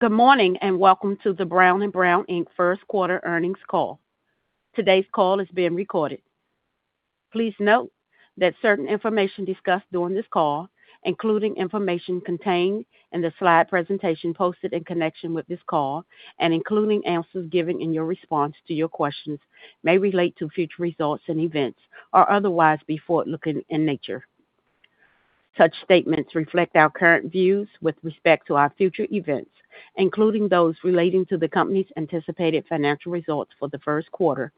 Good morning, welcome to the Brown & Brown, Inc. first quarter earnings call. Today's call is being recorded. Please note that certain information discussed during this call, including information contained in the slide presentation posted in connection with this call and including answers given in your response to your questions, may relate to future results and events or otherwise be forward-looking in nature. Such statements reflect our current views with respect to our future events, including those relating to the company's anticipated financial results for the first quarter,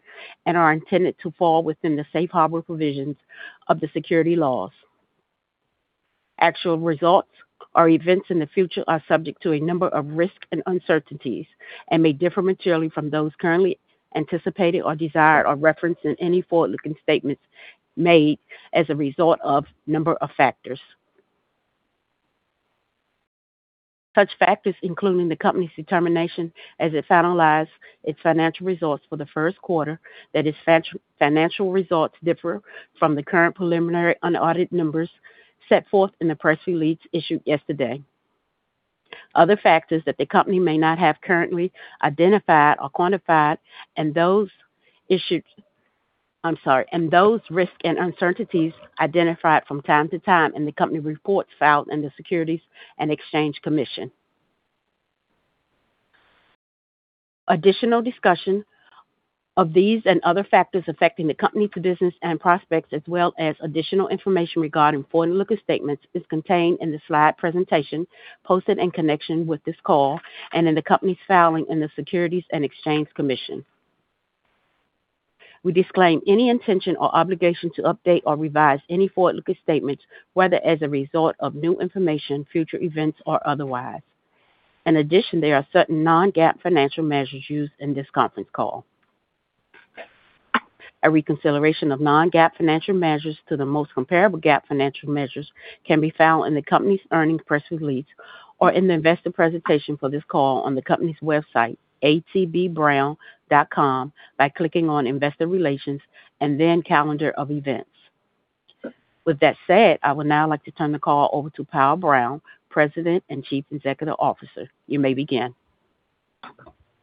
and are intended to fall within the safe harbor provisions of the Securities laws. Actual results or events in the future are subject to a number of risks and uncertainties and may differ materially from those currently anticipated or desired or referenced in any forward-looking statements made as a result of a number of factors. Such factors including the company's determination as it finalized its financial results for the first quarter that its financial results differ from the current preliminary unaudited numbers set forth in the press release issued yesterday. Other factors that the company may not have currently identified or quantified and those risks and uncertainties identified from time to time in the company reports filed in the Securities and Exchange Commission. Additional discussion of these and other factors affecting the company's business and prospects as well as additional information regarding forward-looking statements is contained in the slide presentation posted in connection with this call and in the company's filing in the Securities and Exchange Commission. We disclaim any intention or obligation to update or revise any forward-looking statements, whether as a result of new information, future events, or otherwise. In addition, there are certain non-GAAP financial measures used in this conference call. A reconciliation of non-GAAP financial measures to the most comparable GAAP financial measures can be found in the company's earnings press release or in the investor presentation for this call on the company's website, atbbrown.com, by clicking on investor relations and then calendar of events. With that said, I would now like to turn the call over to Powell Brown, President and Chief Executive Officer. You may begin.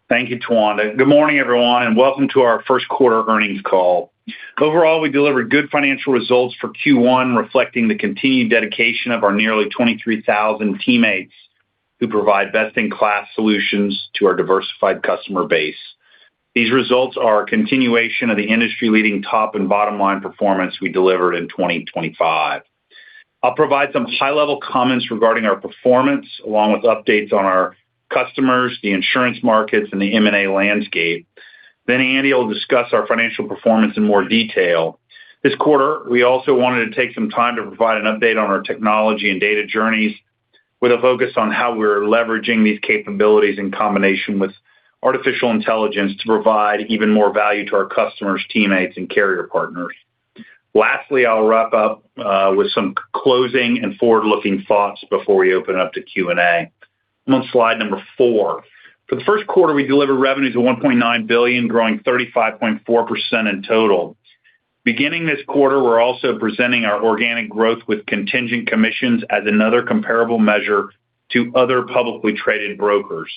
Thank you, Tawanda. Good morning, everyone, and welcome to our first quarter earnings call. Overall, we delivered good financial results for Q1, reflecting the continued dedication of our nearly 23,000 teammates who provide best-in-class solutions to our diversified customer base. These results are a continuation of the industry-leading top and bottom line performance we delivered in 2025. I'll provide some high-level comments regarding our performance along with updates on our customers, the insurance markets, and the M&A landscape. Andy will discuss our financial performance in more detail. This quarter, we also wanted to take some time to provide an update on our technology and data journeys with a focus on how we're leveraging these capabilities in combination with artificial intelligence to provide even more value to our customers, teammates, and carrier partners. Lastly, I'll wrap up with some closing and forward-looking thoughts before we open up to Q and A. I'm on slide number four. For the first quarter, we delivered revenues of $1.9 billion, growing 35.4% in total. Beginning this quarter, we're also presenting our organic growth with contingent commissions as another comparable measure to other publicly traded brokers.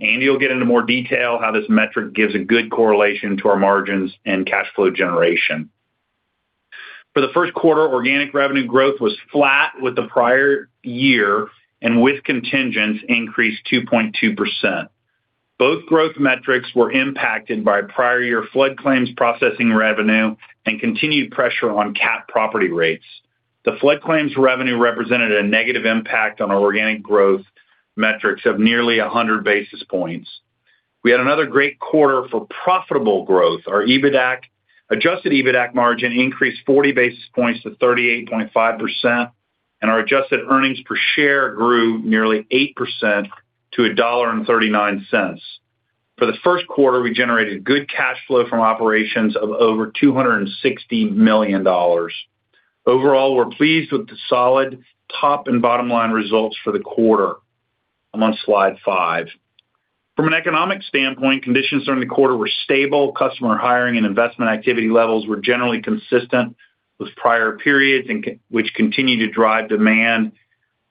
Andy will get into more detail how this metric gives a good correlation to our margins and cash flow generation. For the first quarter, organic revenue growth was flat with the prior year and with contingents increased 2.2%. Both growth metrics were impacted by prior year flood claims processing revenue and continued pressure on catastrophe property rates. The flood claims revenue represented a negative impact on our organic growth metrics of nearly 100 basis points. We had another great quarter for profitable growth. Our EBITDAC, Adjusted EBITDAC margin increased 40 basis points to 38.5%, and our adjusted earnings per share grew nearly 8% to $1.39. For the first quarter, we generated good cash flow from operations of over $260 million. Overall, we're pleased with the solid top and bottom line results for the quarter. I'm on slide five. From an economic standpoint, conditions during the quarter were stable. Customer hiring and investment activity levels were generally consistent with prior periods which continued to drive demand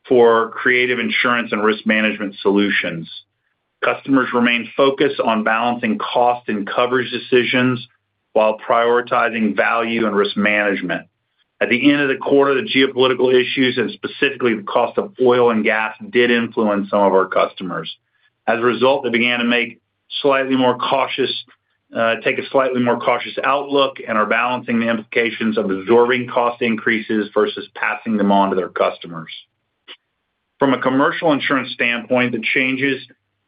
for creative insurance and risk management solutions. Customers remained focused on balancing cost and coverage decisions while prioritizing value and risk management. At the end of the quarter, the geopolitical issues and specifically the cost of oil and gas did influence some of our customers. As a result, they began to make slightly more cautious, take a slightly more cautious outlook and are balancing the implications of absorbing cost increases versus passing them on to their customers. From a commercial insurance standpoint, the changes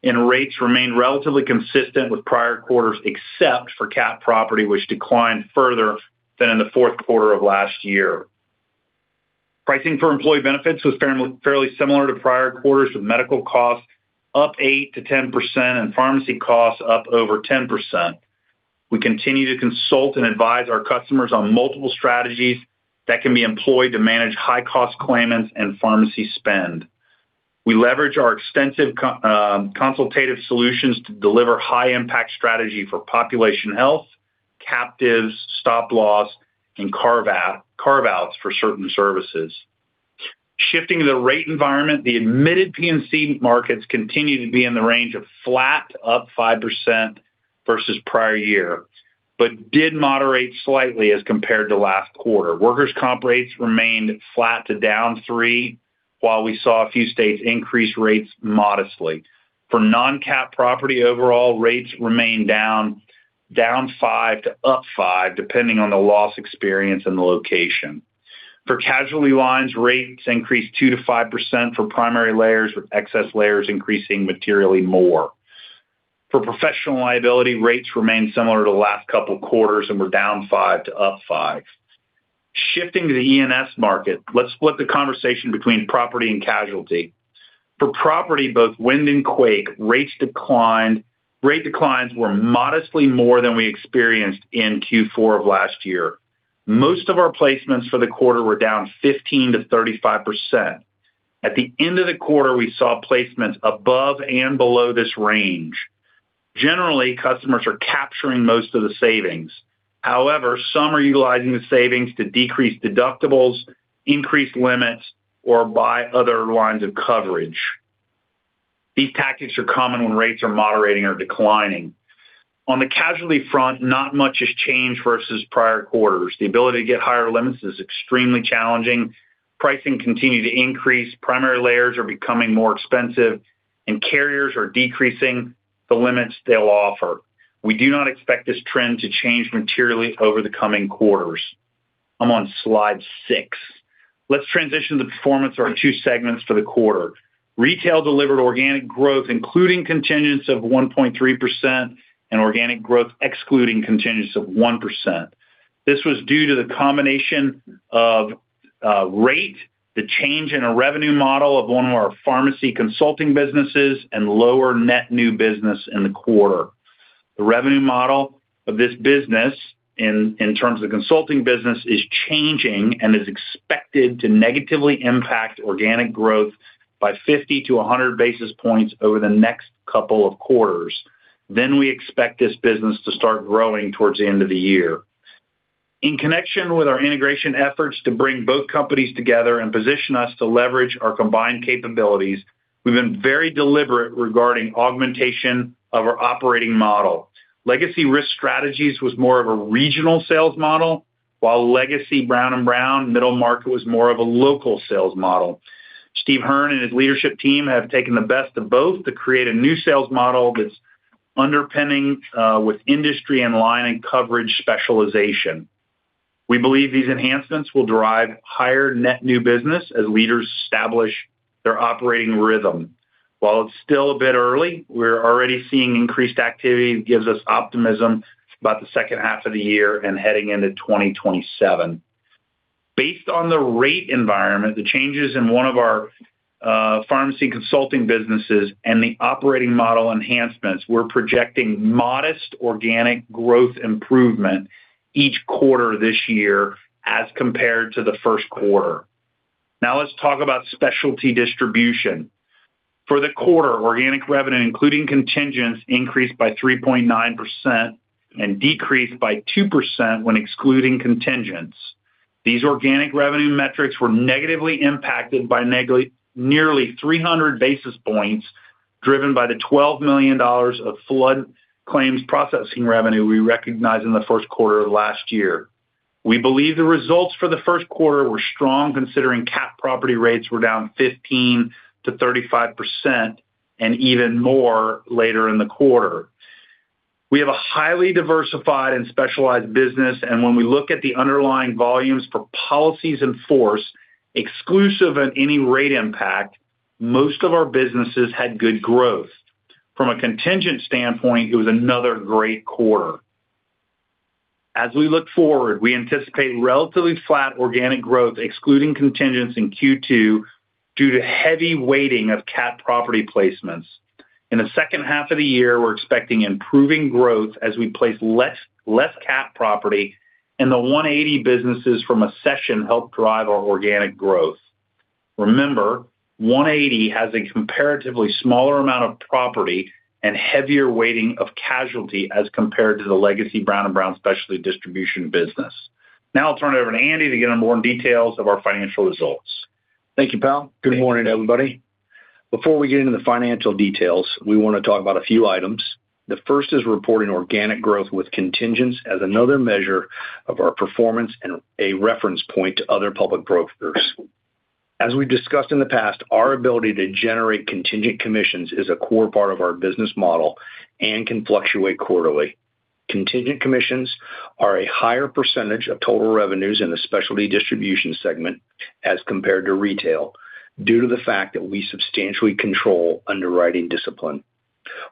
in rates remained relatively consistent with prior quarters, except for catastrophe property, which declined further than in the fourth quarter of last year. Pricing for employee benefits was fairly similar to prior quarters, with medical costs up 8%-10% and pharmacy costs up over 10%. We continue to consult and advise our customers on multiple strategies that can be employed to manage high-cost claimants and pharmacy spend. We leverage our extensive consultative solutions to deliver high-impact strategy for population health objectives, stop loss, and carve outs for certain services. Shifting the rate environment, the admitted P&C markets continue to be in the range of flat to +5% versus prior year, but did moderate slightly as compared to last quarter. Workers' comp rates remained flat to -3%, while we saw a few states increase rates modestly. For non-cat property overall, rates remained down, -5% to +5%, depending on the loss experience and the location. For casualty lines, rates increased 2%-5% for primary layers, with excess layers increasing materially more. For professional liability, rates remained similar to the last couple of quarters and were -5% to +5%. Shifting to the E&S market, let's split the conversation between property and casualty. For property, both wind and quake, rate declines were modestly more than we experienced in Q4 of last year. Most of our placements for the quarter were down 15%-35%. At the end of the quarter, we saw placements above and below this range. Generally, customers are capturing most of the savings. However, some are utilizing the savings to decrease deductibles, increase limits, or buy other lines of coverage. These tactics are common when rates are moderating or declining. On the casualty front, not much has changed versus prior quarters. The ability to get higher limits is extremely challenging. Pricing continue to increase, primary layers are becoming more expensive, and carriers are decreasing the limits they'll offer. We do not expect this trend to change materially over the coming quarters. I'm on slide six. Let's transition the performance of our two segments for the quarter. Retail delivered organic growth, including contingents of 1.3% and organic growth excluding contingents of 1%. This was due to the combination of rate, the change in a revenue model of one of our pharmacy consulting businesses, and lower net new business in the quarter. The revenue model of this business in terms of consulting business, is changing and is expected to negatively impact organic growth by 50 to 100 basis points over the next couple of quarters. We expect this business to start growing towards the end of the year. In connection with our integration efforts to bring both companies together and position us to leverage our combined capabilities, we've been very deliberate regarding augmentation of our operating model. Legacy Risk Strategies was more of a regional sales model, while Legacy Brown & Brown middle market was more of a local sales model. Steve Hearn and his leadership team have taken the best of both to create a new sales model that's underpinning, with industry and line and coverage specialization. We believe these enhancements will drive higher net new business as leaders establish their operating rhythm. While it's still a bit early, we're already seeing increased activity that gives us optimism about the second half of the year and heading into 2027. Based on the rate environment, the changes in one of our pharmacy consulting businesses, and the operating model enhancements, we're projecting modest organic growth improvement each quarter this year as compared to the first quarter. Let's talk about specialty distribution. For the quarter, organic revenue, including contingents, increased by 3.9% and decreased by 2% when excluding contingents. These organic revenue metrics were negatively impacted by nearly 300 basis points, driven by the $12 million of flood claims processing revenue we recognized in the first quarter of last year. We believe the results for the first quarter were strong, considering catastrophe property rates were down 15%-35% and even more later in the quarter. We have a highly diversified and specialized business, and when we look at the underlying volumes for policies in force exclusive of any rate impact, most of our businesses had good growth. From a contingent standpoint, it was another great quarter. As we look forward, we anticipate relatively flat organic growth, excluding contingents in Q2, due to heavy weighting of catastrophe property placements. In the second half of the year, we're expecting improving growth as we place less catastrophe property, and the One80 businesses from Accession help drive our organic growth. Remember, One80 has a comparatively smaller amount of property and heavier weighting of casualty as compared to the legacy Brown & Brown specialty distribution business. I'll turn it over to Andy to get into more details of our financial results. Thank you, Powell. Good morning, everybody. Before we get into the financial details, we want to talk about a few items. The first is reporting organic growth with contingents as another measure of our performance and a reference point to other public brokers. As we've discussed in the past, our ability to generate contingent commissions is a core part of our business model and can fluctuate quarterly. Contingent commissions are a higher percentage of total revenues in the specialty distribution segment as compared to retail due to the fact that we substantially control underwriting discipline.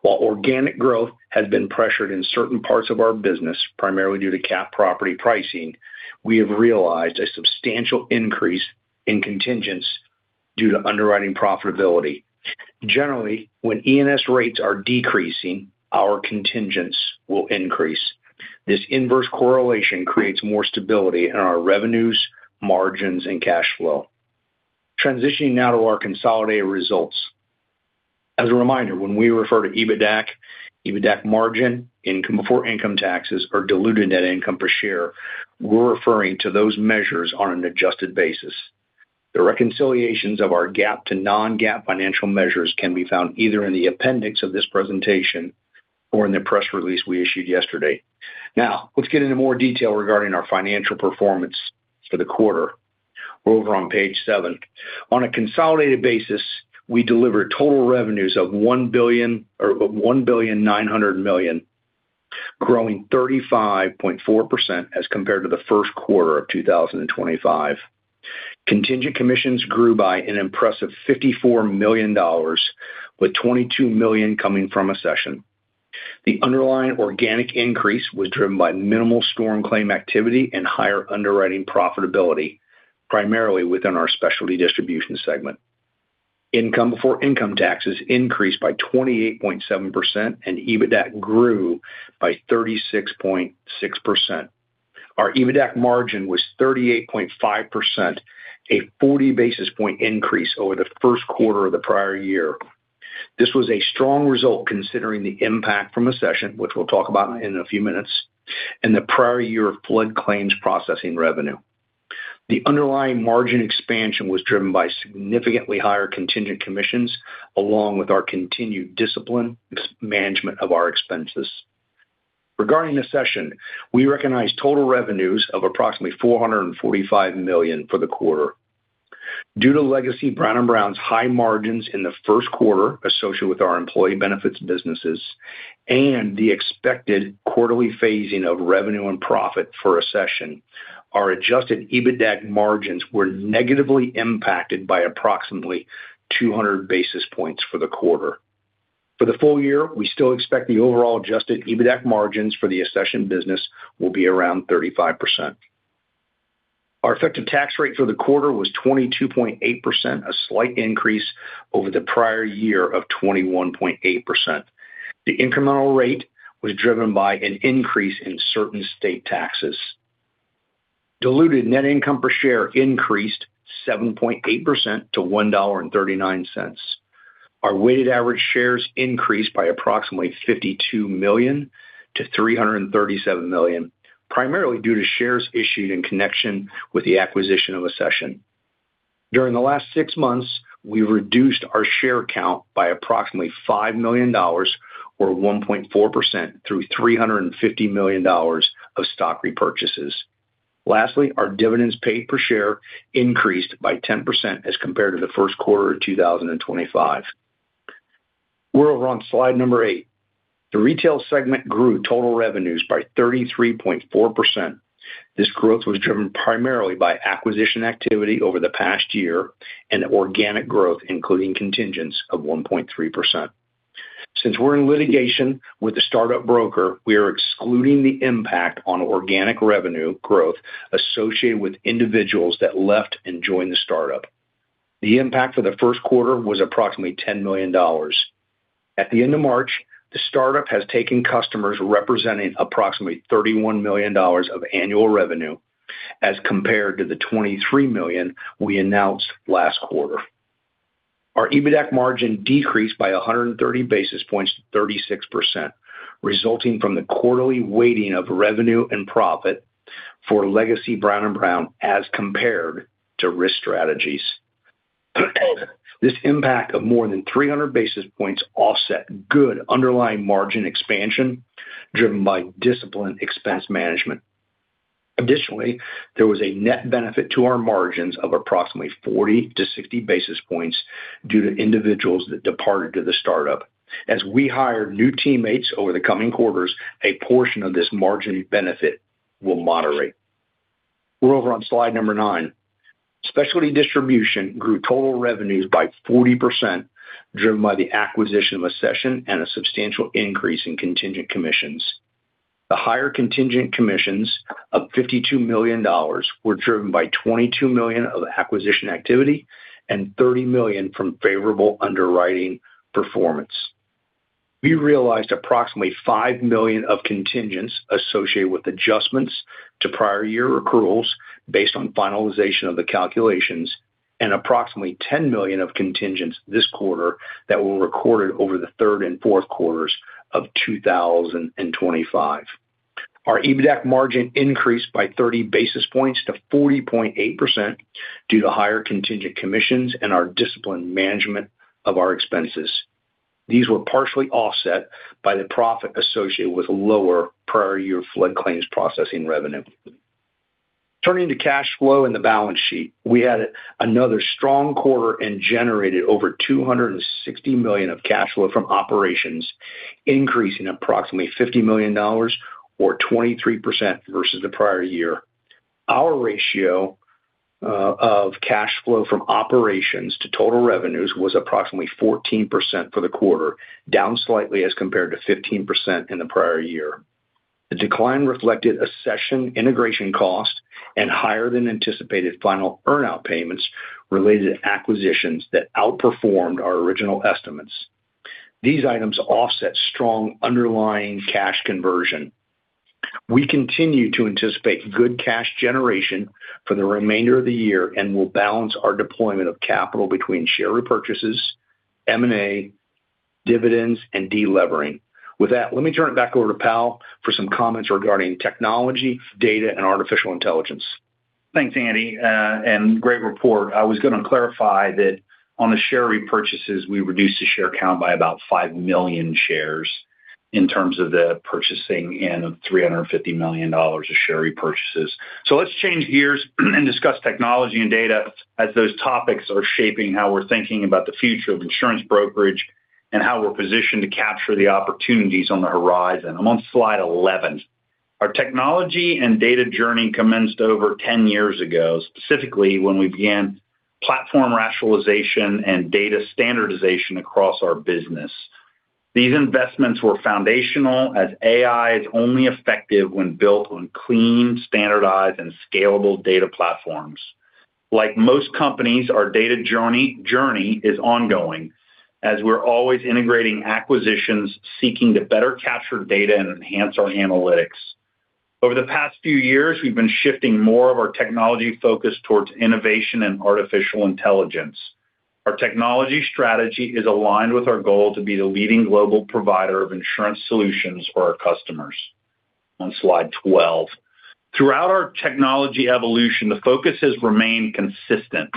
While organic growth has been pressured in certain parts of our business, primarily due to catastrophe property pricing, we have realized a substantial increase in contingents due to underwriting profitability. Generally, when E&S rates are decreasing, our contingents will increase. This inverse correlation creates more stability in our revenues, margins, and cash flow. Transitioning now to our consolidated results. A reminder, when we refer to EBITDA margin, income before income taxes or diluted net income per share, we're referring to those measures on an adjusted basis. The reconciliations of our GAAP to non-GAAP financial measures can be found either in the appendix of this presentation or in the press release we issued yesterday. Let's get into more detail regarding our financial performance for the quarter. We're over on page seven. On a consolidated basis, we delivered total revenues of $1 billion or $1.9 billion, growing 35.4% as compared to the first quarter of 2025. Contingent commissions grew by an impressive $54 million, with $22 million coming from Accession. The underlying organic increase was driven by minimal storm claim activity and higher underwriting profitability, primarily within our specialty distribution segment. Income before income taxes increased by 28.7%, and EBITDA grew by 36.6%. Our EBITDA margin was 38.5%, a 40 basis point increase over the first quarter of the prior year. This was a strong result considering the impact from Accession, which we'll talk about in a few minutes, and the prior year flood claims processing revenue. The underlying margin expansion was driven by significantly higher contingent commissions along with our continued discipline management of our expenses. Regarding Accession, we recognized total revenues of approximately $445 million for the quarter. Due to legacy Brown & Brown's high margins in the first quarter associated with our employee benefits businesses and the expected quarterly phasing of revenue and profit for Accession, our Adjusted EBITDA margins were negatively impacted by approximately 200 basis points for the quarter. For the full year, we still expect the overall Adjusted EBITDA margins for the Accession business will be around 35%. Our effective tax rate for the quarter was 22.8%, a slight increase over the prior year of 21.8%. The incremental rate was driven by an increase in certain state taxes. Diluted net income per share increased 7.8% to $1.39. Our weighted average shares increased by approximately 52 million to 337 million, primarily due to shares issued in connection with the acquisition of Accession. During the last six months, we reduced our share count by approximately $5 million or 1.4% through $350 million of stock repurchases. Lastly, our dividends paid per share increased by 10% as compared to the first quarter of 2025. We're over on slide number eight. The retail segment grew total revenues by 33.4%. This growth was driven primarily by acquisition activity over the past year and organic growth, including contingents of 1.3%. Since we're in litigation with the startup broker, we are excluding the impact on organic revenue growth associated with individuals that left and joined the startup. The impact for the first quarter was approximately $10 million. At the end of March, the startup has taken customers representing approximately $31 million of annual revenue as compared to the $23 million we announced last quarter. Our EBITDA margin decreased by 130 basis points to 36%, resulting from the quarterly weighting of revenue and profit for legacy Brown & Brown as compared to Risk Strategies. This impact of more than 300 basis points offset good underlying margin expansion driven by disciplined expense management. Additionally, there was a net benefit to our margins of approximately 40-60 basis points due to individuals that departed to the start-up. As we hire new teammates over the coming quarters, a portion of this margin benefit will moderate. We're over on slide number nine. Specialty distribution grew total revenues by 40%, driven by the acquisition of Accession and a substantial increase in contingent commissions. The higher contingent commissions of $52 million were driven by $22 million of acquisition activity and $30 million from favorable underwriting performance. We realized approximately $5 million of contingents associated with adjustments to prior year accruals based on finalization of the calculations and approximately $10 million of contingents this quarter that were recorded over the third and fourth quarters of 2025. Our EBITDA margin increased by 30 basis points to 40.8% due to higher contingent commissions and our disciplined management of our expenses. These were partially offset by the profit associated with lower prior year flood claims processing revenue. Turning to cash flow in the balance sheet, we had another strong quarter and generated over $260 million of cash flow from operations, increasing approximately $50 million or 23% versus the prior year. Our ratio of cash flow from operations to total revenues was approximately 14% for the quarter, down slightly as compared to 15% in the prior year. The decline reflected an Accession integration cost and higher than anticipated final earn-out payments related to acquisitions that outperformed our original estimates. These items offset strong underlying cash conversion. We continue to anticipate good cash generation for the remainder of the year, and we'll balance our deployment of capital between share repurchases, M&A, dividends, and de-levering. With that, let me turn it back over to Powell for some comments regarding technology, data, and artificial intelligence. Thanks, Andy, and great report. I was gonna clarify that on the share repurchases, we reduced the share count by about 5 million shares in terms of the purchasing and of $350 million of share repurchases. Let's change gears and discuss technology and data as those topics are shaping how we're thinking about the future of insurance brokerage and how we're positioned to capture the opportunities on the horizon. I'm on slide 11. Our technology and data journey commenced over 10 years ago, specifically when we began platform rationalization and data standardization across our business. These investments were foundational as AI is only effective when built on clean, standardized, and scalable data platforms. Like most companies, our data journey is ongoing, as we're always integrating acquisitions, seeking to better capture data, and enhance our analytics. Over the past few years, we've been shifting more of our technology focus towards innovation and artificial intelligence. Our technology strategy is aligned with our goal to be the leading global provider of insurance solutions for our customers. On slide 12. Throughout our technology evolution, the focus has remained consistent.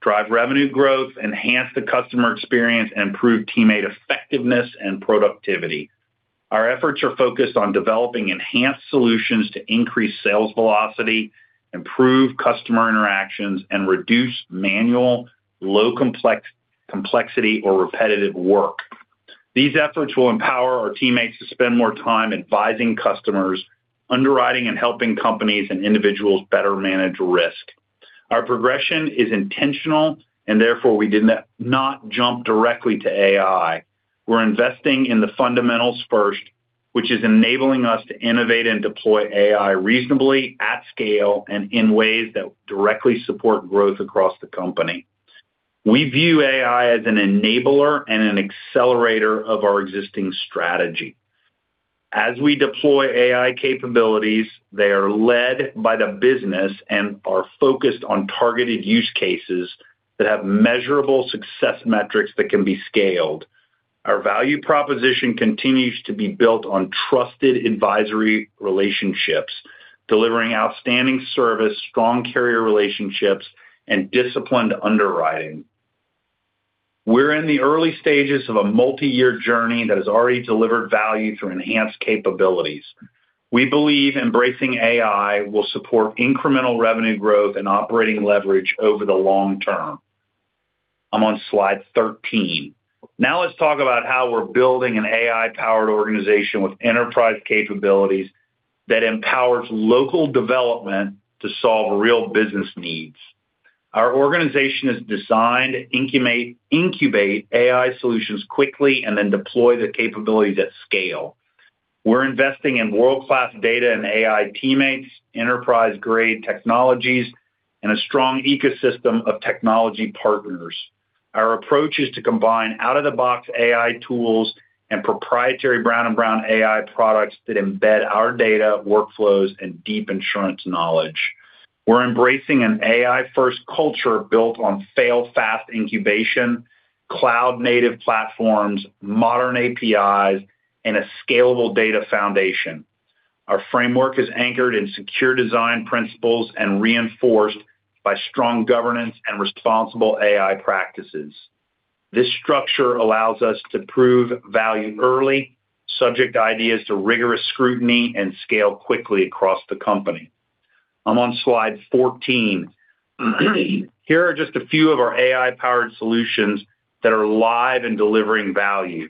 Drive revenue growth, enhance the customer experience, and improve teammate effectiveness and productivity. Our efforts are focused on developing enhanced solutions to increase sales velocity, improve customer interactions, and reduce manual, low complexity or repetitive work. These efforts will empower our teammates to spend more time advising customers, underwriting and helping companies and individuals better manage risk. Our progression is intetional. Therefore, we did not jump directly to AI. We're investing in the fundamentals first, which is enabling us to innovate and deploy AI reasonably at scale and in ways that directly support growth across the company. We view AI as an enabler and an accelerator of our existing strategy. As we deploy AI capabilities, they are led by the business and are focused on targeted use cases that have measurable success metrics that can be scaled. Our value proposition continues to be built on trusted advisory relationships, delivering outstanding service, strong carrier relationships, and disciplined underwriting. We're in the early stages of a multi-year journey that has already delivered value through enhanced capabilities. We believe embracing AI will support incremental revenue growth and operating leverage over the long term. I'm on slide 13. Let's talk about how we're building an AI-powered organization with enterprise capabilities that empowers local development to solve real business needs. Our organization is designed to incubate AI solutions quickly and then deploy the capabilities at scale. We're investing in world-class data and AI teammates, enterprise-grade technologies, and a strong ecosystem of technology partners. Our approach is to combine out-of-the-box AI tools and proprietary Brown & Brown AI products that embed our data workflows and deep insurance knowledge. We're embracing an AI-first culture built on fail-fast incubation, cloud-native platforms, modern APIs, and a scalable data foundation. Our framework is anchored in secure design principles and reinforced by strong governance and responsible AI practices. This structure allows us to prove value early, subject ideas to rigorous scrutiny, and scale quickly across the company. I'm on slide 14. Here are just a few of our AI-powered solutions that are live and delivering value.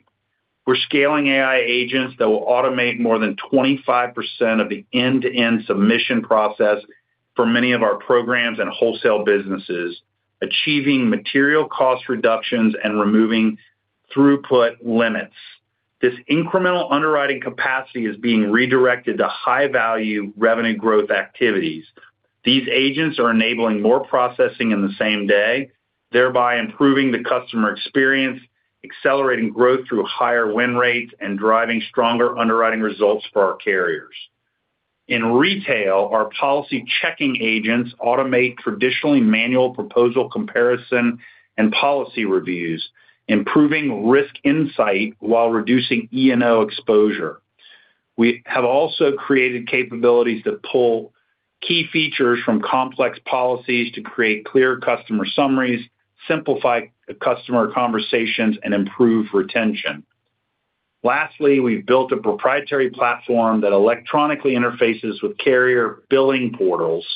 We're scaling AI agents that will automate more than 25% of the end-to-end submission process for many of our programs and wholesale businesses, achieving material cost reductions and removing throughput limits. This incremental underwriting capacity is being redirected to high-value revenue growth activities. These agents are enabling more processing in the same day, thereby improving the customer experience, accelerating growth through higher win rates, and driving stronger underwriting results for our carriers. In retail, our policy-checking agents automate traditionally manual proposal comparison and policy reviews, improving risk insight while reducing E&O exposure. We have also created capabilities that pull key features from complex policies to create clear customer summaries, simplify customer conversations, and improve retention. We've built a proprietary platform that electronically interfaces with carrier billing portals,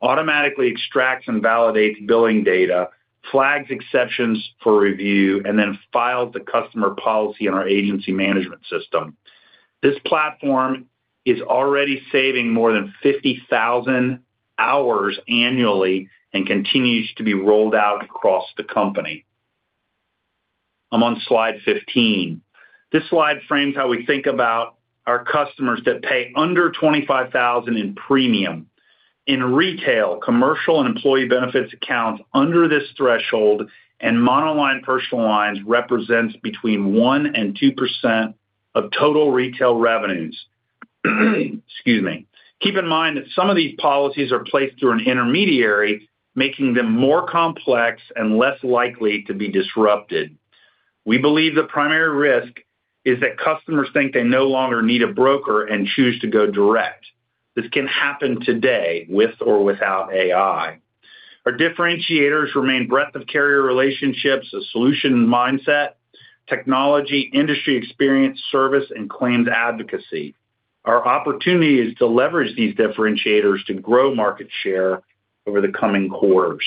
automatically extracts and validates billing data, flags exceptions for review, and then files the customer policy in our agency management system. This platform is already saving more than 50,000 hours annually and continues to be rolled out across the company. I'm on slide 15. This slide frames how we think about our customers that pay under $25,000 in premium. In retail, commercial and employee benefits accounts under this threshold and monoline personal lines represents between 1% and 2% of total retail revenues. Excuse me. Keep in mind that some of these policies are placed through an intermediary, making them more complex and less likely to be disrupted. We believe the primary risk is that customers think they no longer need a broker and choose to go direct. This can happen today with or without AI. Our differentiators remain breadth of carrier relationships, a solution mindset, technology, industry experience, service, and claims advocacy. Our opportunity is to leverage these differentiators to grow market share over the coming quarters.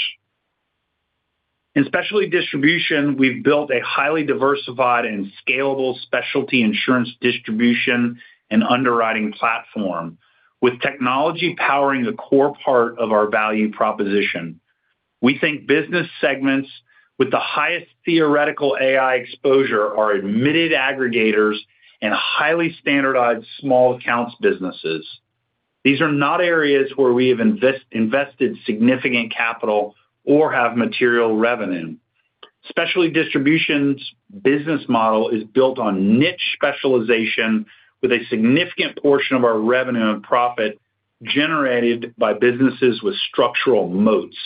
In specialty distribution, we've built a highly diversified and scalable specialty insurance distribution and underwriting platform with technology powering the core part of our value proposition. We think business segments with the highest theoretical AI exposure are admitted aggregators and highly standardized small accounts businesses. These are not areas where we have invested significant capital or have material revenue. Specialty distributions business model is built on niche specialization with a significant portion of our revenue and profit generated by businesses with structural moats.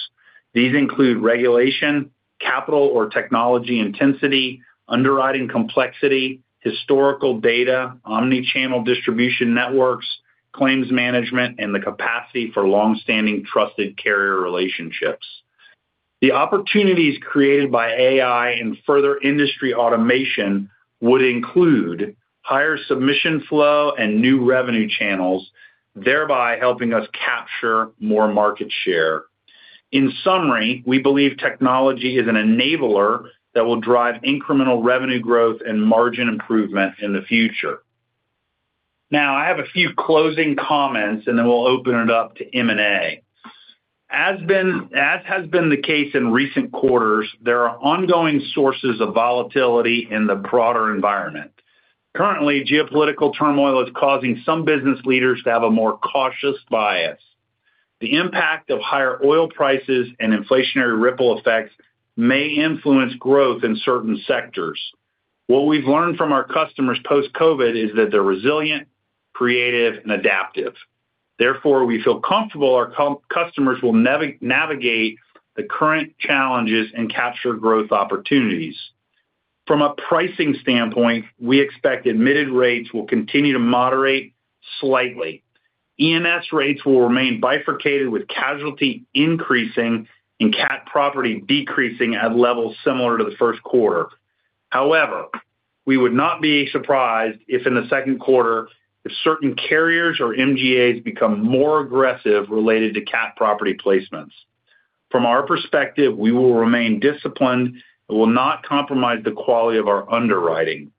These include regulation, capital or technology intensity, underwriting complexity, historical data, omni-channel distribution networks, claims management, and the capacity for long-standing trusted carrier relationships. The opportunities created by AI and further industry automation would include higher submission flow and new revenue channels, thereby helping us capture more market share. In summary, we believe technology is an enabler that will drive incremental revenue growth and margin improvement in the future. Now I have a few closing comments, and then we'll open it up to M&A. As has been the case in recent quarters, there are ongoing sources of volatility in the broader environment. Currently, geopolitical turmoil is causing some business leaders to have a more cautious bias. The impact of higher oil prices and inflationary ripple effects may influence growth in certain sectors. What we've learned from our customers post-COVID is that they're resilient, creative, and adaptive. Therefore, we feel comfortable our customers will navigate the current challenges and capture growth opportunities. From a pricing standpoint, we expect admitted rates will continue to moderate slightly. E&S rates will remain bifurcated, with casualty increasing and catastrophe property decreasing at levels similar to the first quarter. However, we would not be surprised if in the second quarter if certain carriers or MGAs become more aggressive related to catastrophe property placements. From our perspective, we will remain disciplined and will not compromise the quality of our underwriting.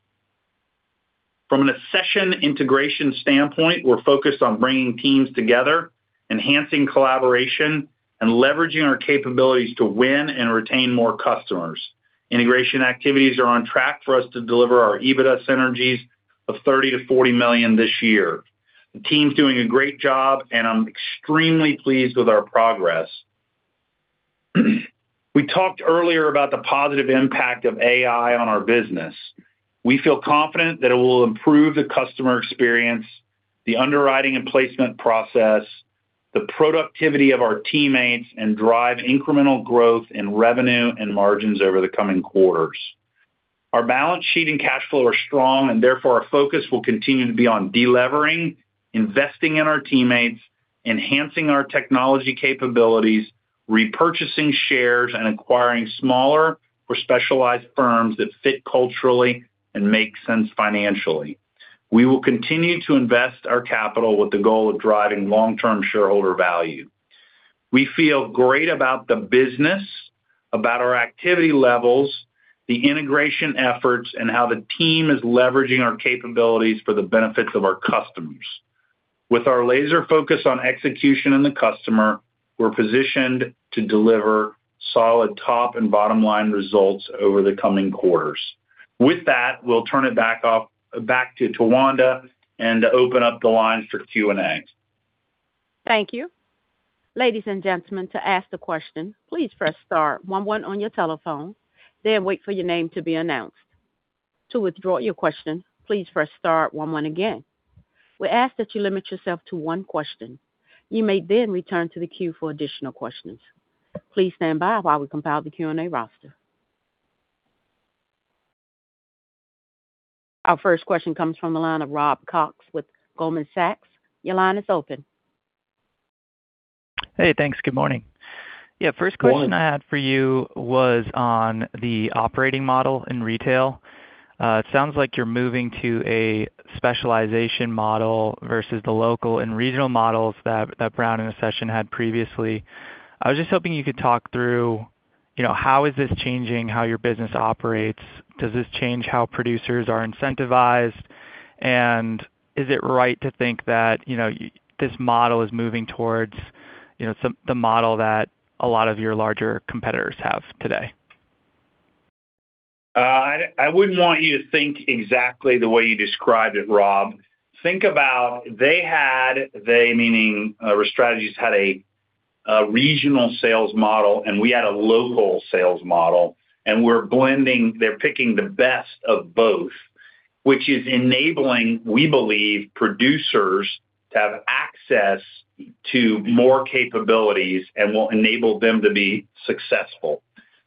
From an Accession integration standpoint, we're focused on bringing teams together, enhancing collaboration, and leveraging our capabilities to win and retain more customers. Integration activities are on track for us to deliver our EBITDA synergies of $30 million to $40 million this year. The team's doing a great job, and I'm extremely pleased with our progress. We talked earlier about the positive impact of AI on our business. We feel confident that it will improve the customer experience, the underwriting and placement process, the productivity of our teammates, and drive incremental growth in revenue and margins over the coming quarters. Our balance sheet and cash flow are strong, and therefore our focus will continue to be on delevering, investing in our teammates, enhancing our technology capabilities, repurchasing shares, and acquiring smaller or specialized firms that fit culturally and make sense financially. We will continue to invest our capital with the goal of driving long-term shareholder value. We feel great about the business, about our activity levels, the integration efforts, and how the team is leveraging our capabilities for the benefits of our customers. With our laser focus on execution and the customer, we're positioned to deliver solid top and bottom-line results over the coming quarters. With that, we'll turn it back to Tawanda and open up the lines for Q and A. Thank you. Ladies and gentlemen, to ask the question, please press star one one on your telephone, then wait for your name to be announced. To withdraw your question, please press star one one again. We ask that you limit yourself to one question. You may then return to the queue for additional questions. Please stand by while we compile the Q and A roster. Our first question comes from the line of Rob Cox with Goldman Sachs. Your line is open. Hey, thanks. Good morning. Yeah. Good morning. First question I had for you was on the operating model in retail. It sounds like you're moving to a specialization model versus the local and regional models that Brown & Brown had previously. I was just hoping you could talk through, you know, how is this changing how your business operates? Does this change how producers are incentivized? Is it right to think that, you know, this model is moving towards, you know, the model that a lot of your larger competitors have today? I wouldn't want you to think exactly the way you described it, Rob. Think about they had, they meaning Risk Strategies had a regional sales model, and we had a local sales model, and we're blending. They're picking the best of both, which is enabling, we believe, producers to have access to more capabilities and will enable them to be successful.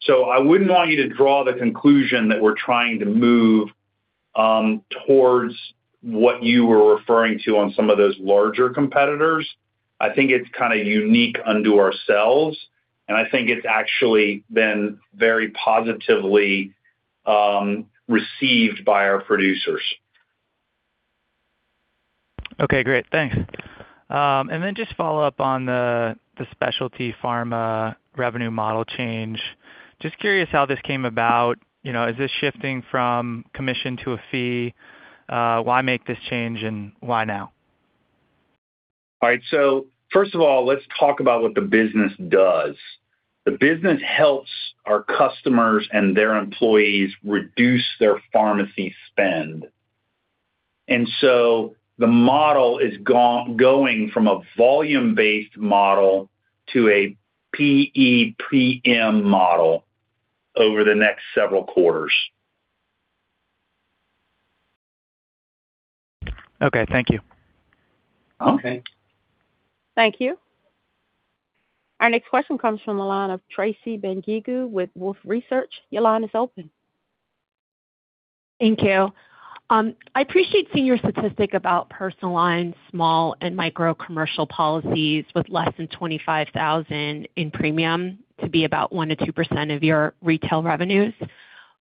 I wouldn't want you to draw the conclusion that we're trying to move towards what you were referring to on some of those larger competitors. I think it's kind of unique unto ourselves, and I think it's actually been very positively received by our producers. Okay, great. Thanks. Then just follow up on the specialty pharma revenue model change. Just curious how this came about. You know, is this shifting from commission to a fee? Why make this change, and why now? First of all, let's talk about what the business does. The business helps our customers and their employees reduce their pharmacy spend. The model is going from a volume-based model to a PEPM model over the next several quarters. Okay. Thank you. Okay. Thank you. Our next question comes from the line of Tracy Benguigui with Wolfe Research. Your line is open. Thank you. I appreciate seeing your statistic about personal line, small and micro commercial policies with less than $25,000 in premium to be about 1% to 2% of your retail revenues.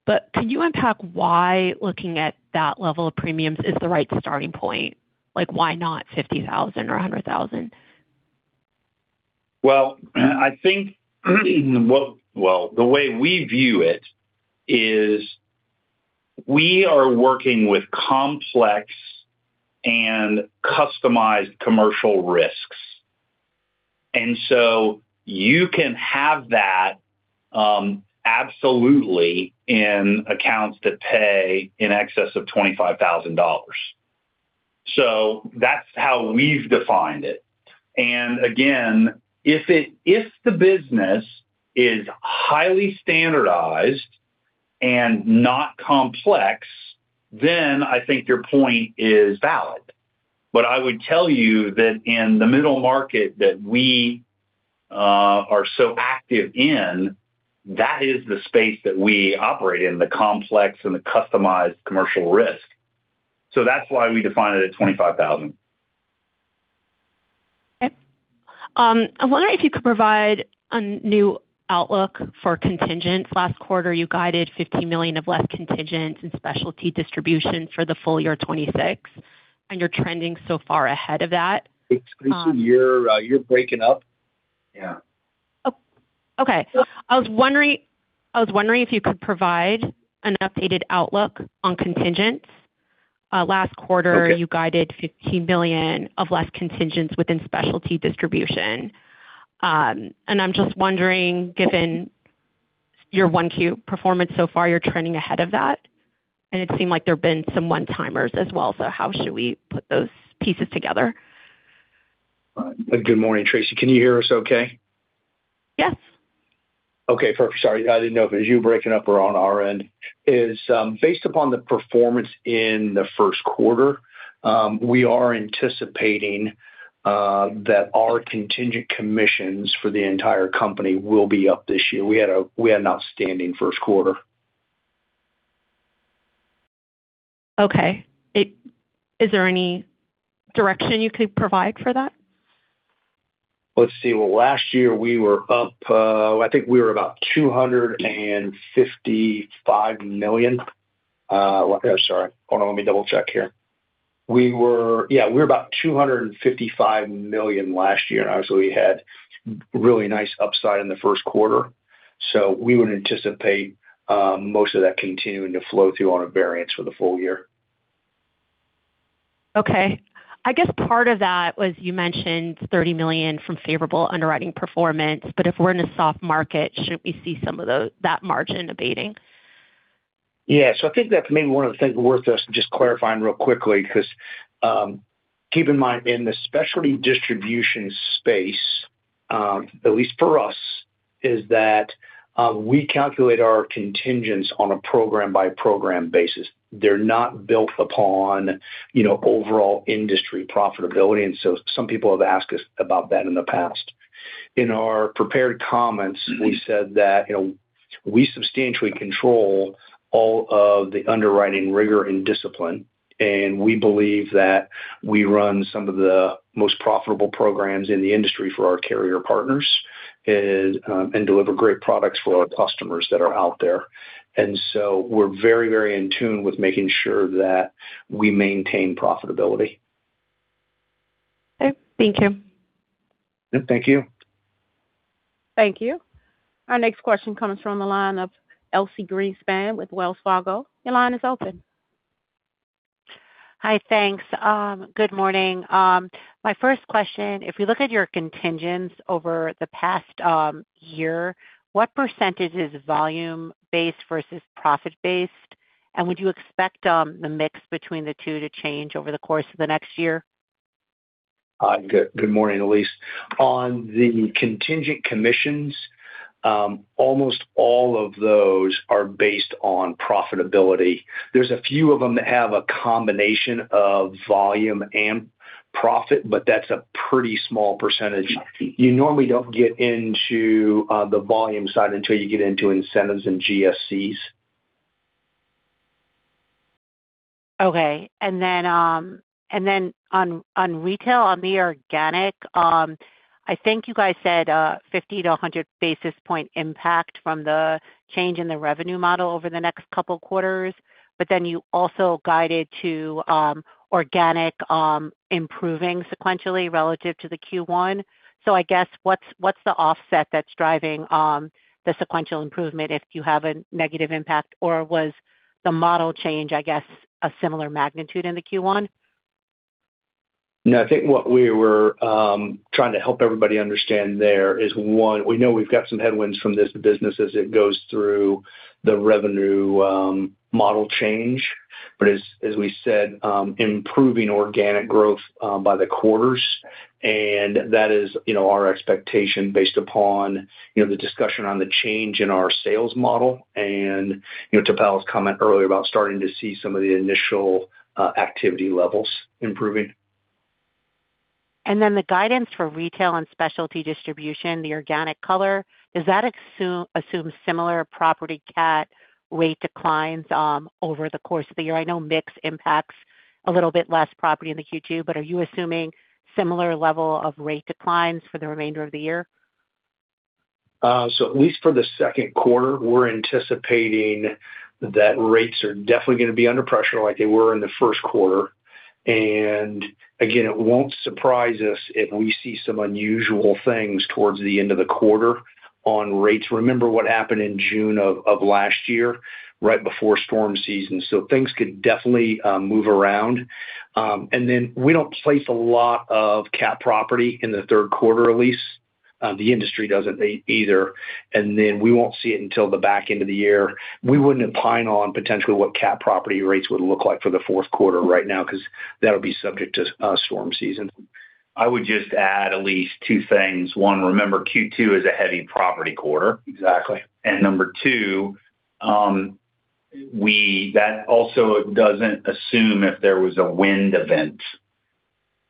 Could you unpack why looking at that level of premiums is the right starting point? Like, why not $50,000 or $100,000? Well, I think, well, the way we view it is we are working with complex and customized commercial risks. You can have that absolutely in accounts that pay in excess of $25,000. That's how we've defined it. Again, if the business is highly standardized and not complex, then I think your point is valid. I would tell you that in the middle market that we are so active in, that is the space that we operate in, the complex and the customized commercial risk. That's why we define it at $25,000. Okay. I wonder if you could provide a new outlook for contingents. Last quarter, you guided $50 million of less contingents in specialty distribution for the full year 2026. You're trending so far ahead of that. Excuse me. You're, you're breaking up. Yeah. Oh, okay. I was wondering if you could provide an updated outlook on contingents. Last quarter. Okay. You guided $15 billion of less contingents within specialty distribution. I'm just wondering, given your Q1 performance so far, you're trending ahead of that, and it seemed like there have been some one-timers as well. How should we put those pieces together? Good morning, Tracy. Can you hear us okay? Yes. Okay, perfect. Sorry. I didn't know if it was you breaking up or on our end. Based upon the performance in the first quarter, we are anticipating that our contingent commissions for the entire company will be up this year. We had an outstanding first quarter. Okay. Is there any direction you could provide for that? Let's see. Well, last year we were up, I think we were about $255 million. Sorry. Hold on, let me double-check here. Yeah, we were about $255 million last year, and obviously we had really nice upside in the first quarter. We would anticipate most of that continuing to flow through on a variance for the full year. Okay. I guess part of that was you mentioned $30 million from favorable underwriting performance, but if we're in a soft market, shouldn't we see some of that margin abating? Yeah. I think that's maybe one of the things worth us just clarifying real quickly, 'cause keep in mind, in the specialty distribution space, at least for us, is that we calculate our contingents on a program-by-program basis. They're not built upon, you know, overall industry profitability. Some people have asked us about that in the past. In our prepared comments, we said that, you know, we substantially control all of the underwriting rigor and discipline, and we believe that we run some of the most profitable programs in the industry for our carrier partners and deliver great products for our customers that are out there. We're very, very in tune with making sure that we maintain profitability. Okay. Thank you. Yeah. Thank you. Thank you. Our next question comes from the line of Elyse Greenspan with Wells Fargo. Your line is open. Hi, thanks. Good morning. My first question, if you look at your contingents over the past, year, what percentage is volume-based versus profit-based? Would you expect, the mix between the two to change over the course of the next year? Good morning, Elyse. On the contingent commissions, almost all of those are based on profitability. There's a few of them that have a combination of volume and profit, but that's a pretty small percentage. You normally don't get into the volume side until you get into incentives and GSCs. Okay. On retail, on the organic, I think you guys said 50-100 basis points impact from the change in the revenue model over the next couple quarters, but then you also guided to organic improving sequentially relative to the Q1. I guess, what's the offset that's driving the sequential improvement if you have a negative impact? Or was the model change, I guess, a similar magnitude in the Q1? No, I think what we were trying to help everybody understand there is, one, we know we've got some headwinds from this business as it goes through the revenue model change, but as we said, improving organic growth by the quarters. That is, you know, our expectation based upon, you know, the discussion on the change in our sales model and, you know, Powell's comment earlier about starting to see some of the initial activity levels improving. The guidance for retail and specialty distribution, the organic color, does that assume similar property cat rate declines over the course of the year? I know mix impacts a little bit less property in the Q2, are you assuming similar level of rate declines for the remainder of the year? At least for the second quarter, we're anticipating that rates are definitely gonna be under pressure like they were in the first quarter. Again, it won't surprise us if we see some unusual things towards the end of the quarter on rates. Remember what happened in June of last year right before storm season. Things could definitely move around. We don't place a lot of catastrophe property in the third quarter, Elyse. The industry doesn't either. We won't see it until the back end of the year. We wouldn't opine on potentially what catastrophe property rates would look like for the fourth quarter right now 'cause that'll be subject to storm season. I would just add at least two things. One, remember Q2 is a heavy property quarter. Exactly. Number two, that also doesn't assume if there was a wind event.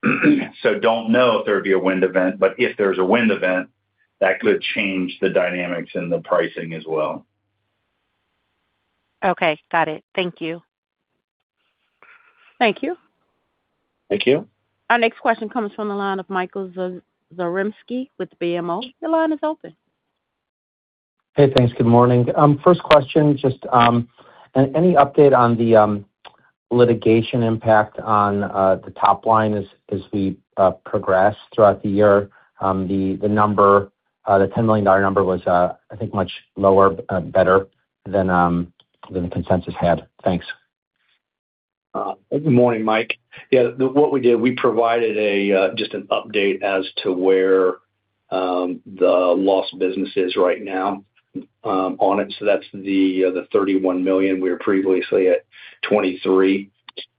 Mm-hmm. Don't know if there'd be a wind event, but if there's a wind event, that could change the dynamics and the pricing as well. Okay, got it. Thank you. Thank you. Thank you. Our next question comes from the line of Michael Zaremski with BMO. Your line is open. Hey, thanks. Good morning. First question, just any update on the litigation impact on the top line as we progress throughout the year? The $10 million number was, I think, much lower, better than consensus had. Thanks. Good morning, Michael. Yeah, what we did, we provided just an update as to where the lost business is right now on it. That's the $31 million. We were previously at $23 million.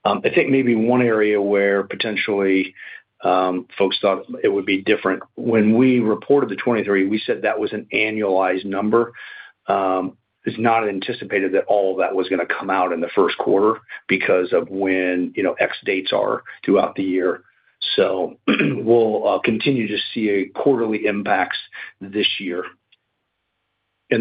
I think maybe one area where potentially folks thought it would be different, when we reported the $23 million, we said that was an annualized number. It's not anticipated that all that was gonna come out in the first quarter because of when, you know, X dates are throughout the year. We'll continue to see a quarterly impacts this year.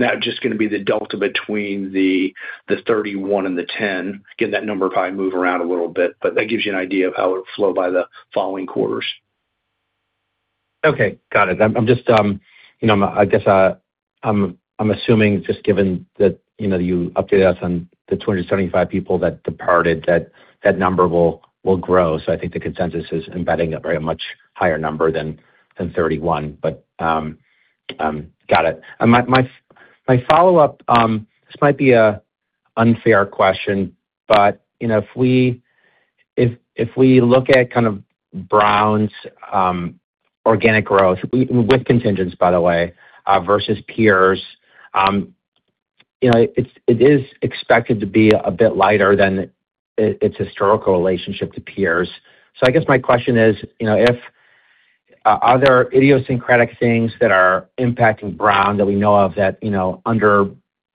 That's just gonna be the delta between the $31 million and the $10 million. Again, that number will probably move around a little bit, but that gives you an idea of how it would flow by the following quarters. Okay. Got it. I'm just, you know, I guess, I'm assuming just given that, you know, you updated us on the 275 people that departed, that that number will grow. I think the consensus is embedding a very much higher number than 31, but got it. My follow-up, this might be an unfair question, but, you know, if we look at kind of Brown's organic growth, with contingents, by the way, versus peers, you know, it's expected to be a bit lighter than its historical relationship to peers. I guess my question is, you know, if, are there idiosyncratic things that are impacting Brown that we know of that, you know, under,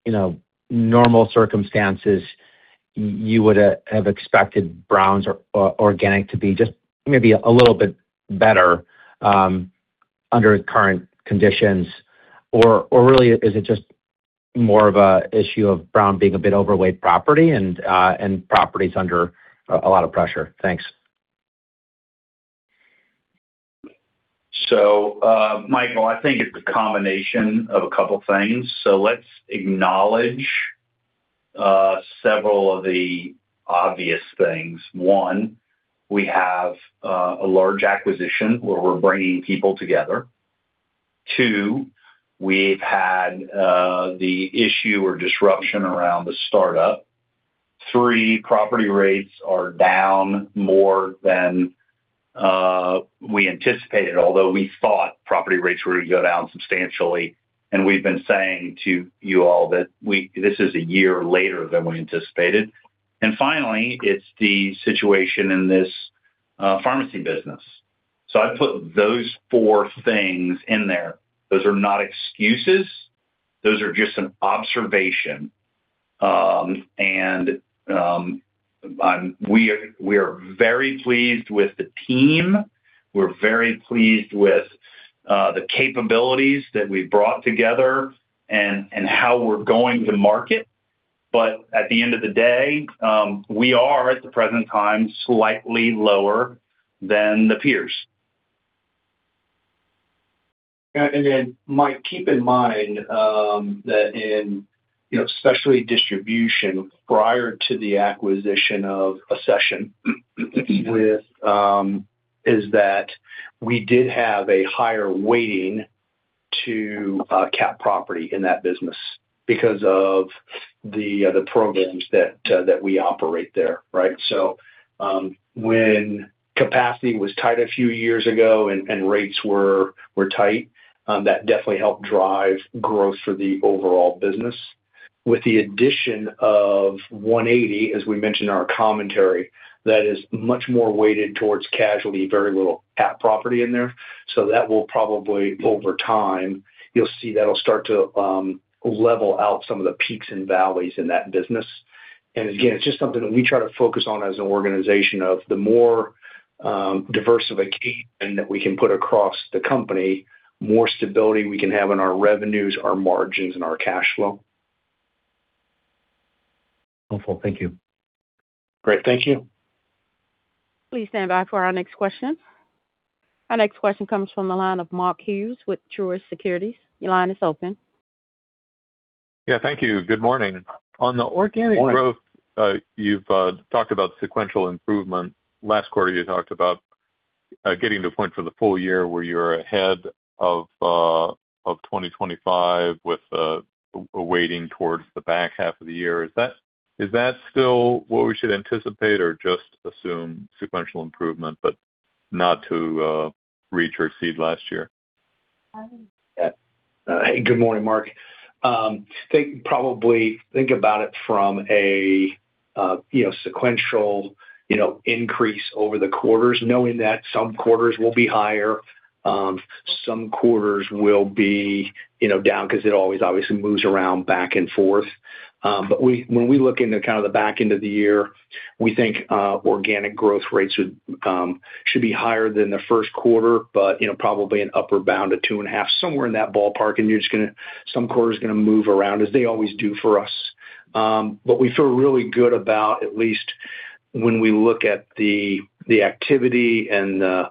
you know, normal circumstances you would have expected Brown's organic to be just maybe a little bit better under current conditions? Really is it just more of an issue of Brown being a bit overweight property and property's under a lot of pressure? Thanks. Michael, I think it's a combination of a couple things. Let's acknowledge several of the obvious things. One, we have a large acquisition where we're bringing people together, two, we've had the issue or disruption around the startup. Three, property rates are down more than we anticipated, although we thought property rates were to go down substantially, and we've been saying to you all that this is a year later than we anticipated. Finally, it's the situation in this pharmacy business. I put those four things in there. Those are not excuses, those are just an observation. We are very pleased with the team. We're very pleased with the capabilities that we've brought together and how we're going to market. At the end of the day, we are, at the present time, slightly lower than the peers. Yeah. Michael, keep in mind, that in, you know, especially distribution prior to the acquisition of Accession, is that we did have a higher weighting to cat property in that business because of the programs that we operate there, right? When capacity was tight a few years ago and rates were tight, that definitely helped drive growth for the overall business. With the addition of One80, as we mentioned in our commentary, that is much more weighted towards casualty, very little cat property in there. That will probably, over time, you'll see that'll start to level out some of the peaks and valleys in that business. Again, it's just something that we try to focus on as an organization of the more diversification that we can put across the company, more stability we can have in our revenues, our margins, and our cash flow. Wonderful. Thank you. Great. Thank you. Please stand by for our next question. Our next question comes from the line of Mark Hughes with Truist Securities. Your line is open. Yeah, thank you. Good morning. On the organic growth, you've talked about sequential improvement. Last quarter, you talked about getting to a point for the full year where you're ahead of 2025 with a weighting towards the back half of the year. Is that still what we should anticipate or just assume sequential improvement, but not to reach or exceed last year? Hey, good morning, Mark. Think probably about it from a, you know, sequential, you know, increase over the quarters, knowing that some quarters will be higher, some quarters will be, you know, down 'cause it always obviously moves around back and forth. We, when we look into kind of the back end of the year, we think organic growth rates would should be higher than the first quarter, but, you know, probably an upper bound of 2.5, somewhere in that ballpark. Some quarters gonna move around as they always do for us. We feel really good about at least when we look at the activity and the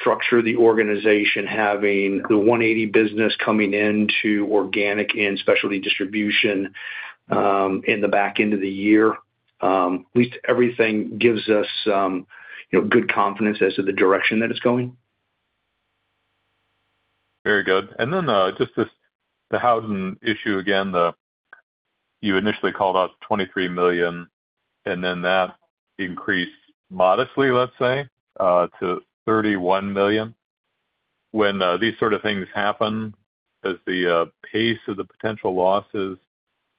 structure of the organization, having the One80 business coming into organic and specialty distribution in the back end of the year. At least everything gives us, you know, good confidence as to the direction that it's going. Very good. Just this, the housing issue, again, the. You initially called out $23 million and then that increased modestly, let's say, to $31 million. These sort of things happen, does the pace of the potential losses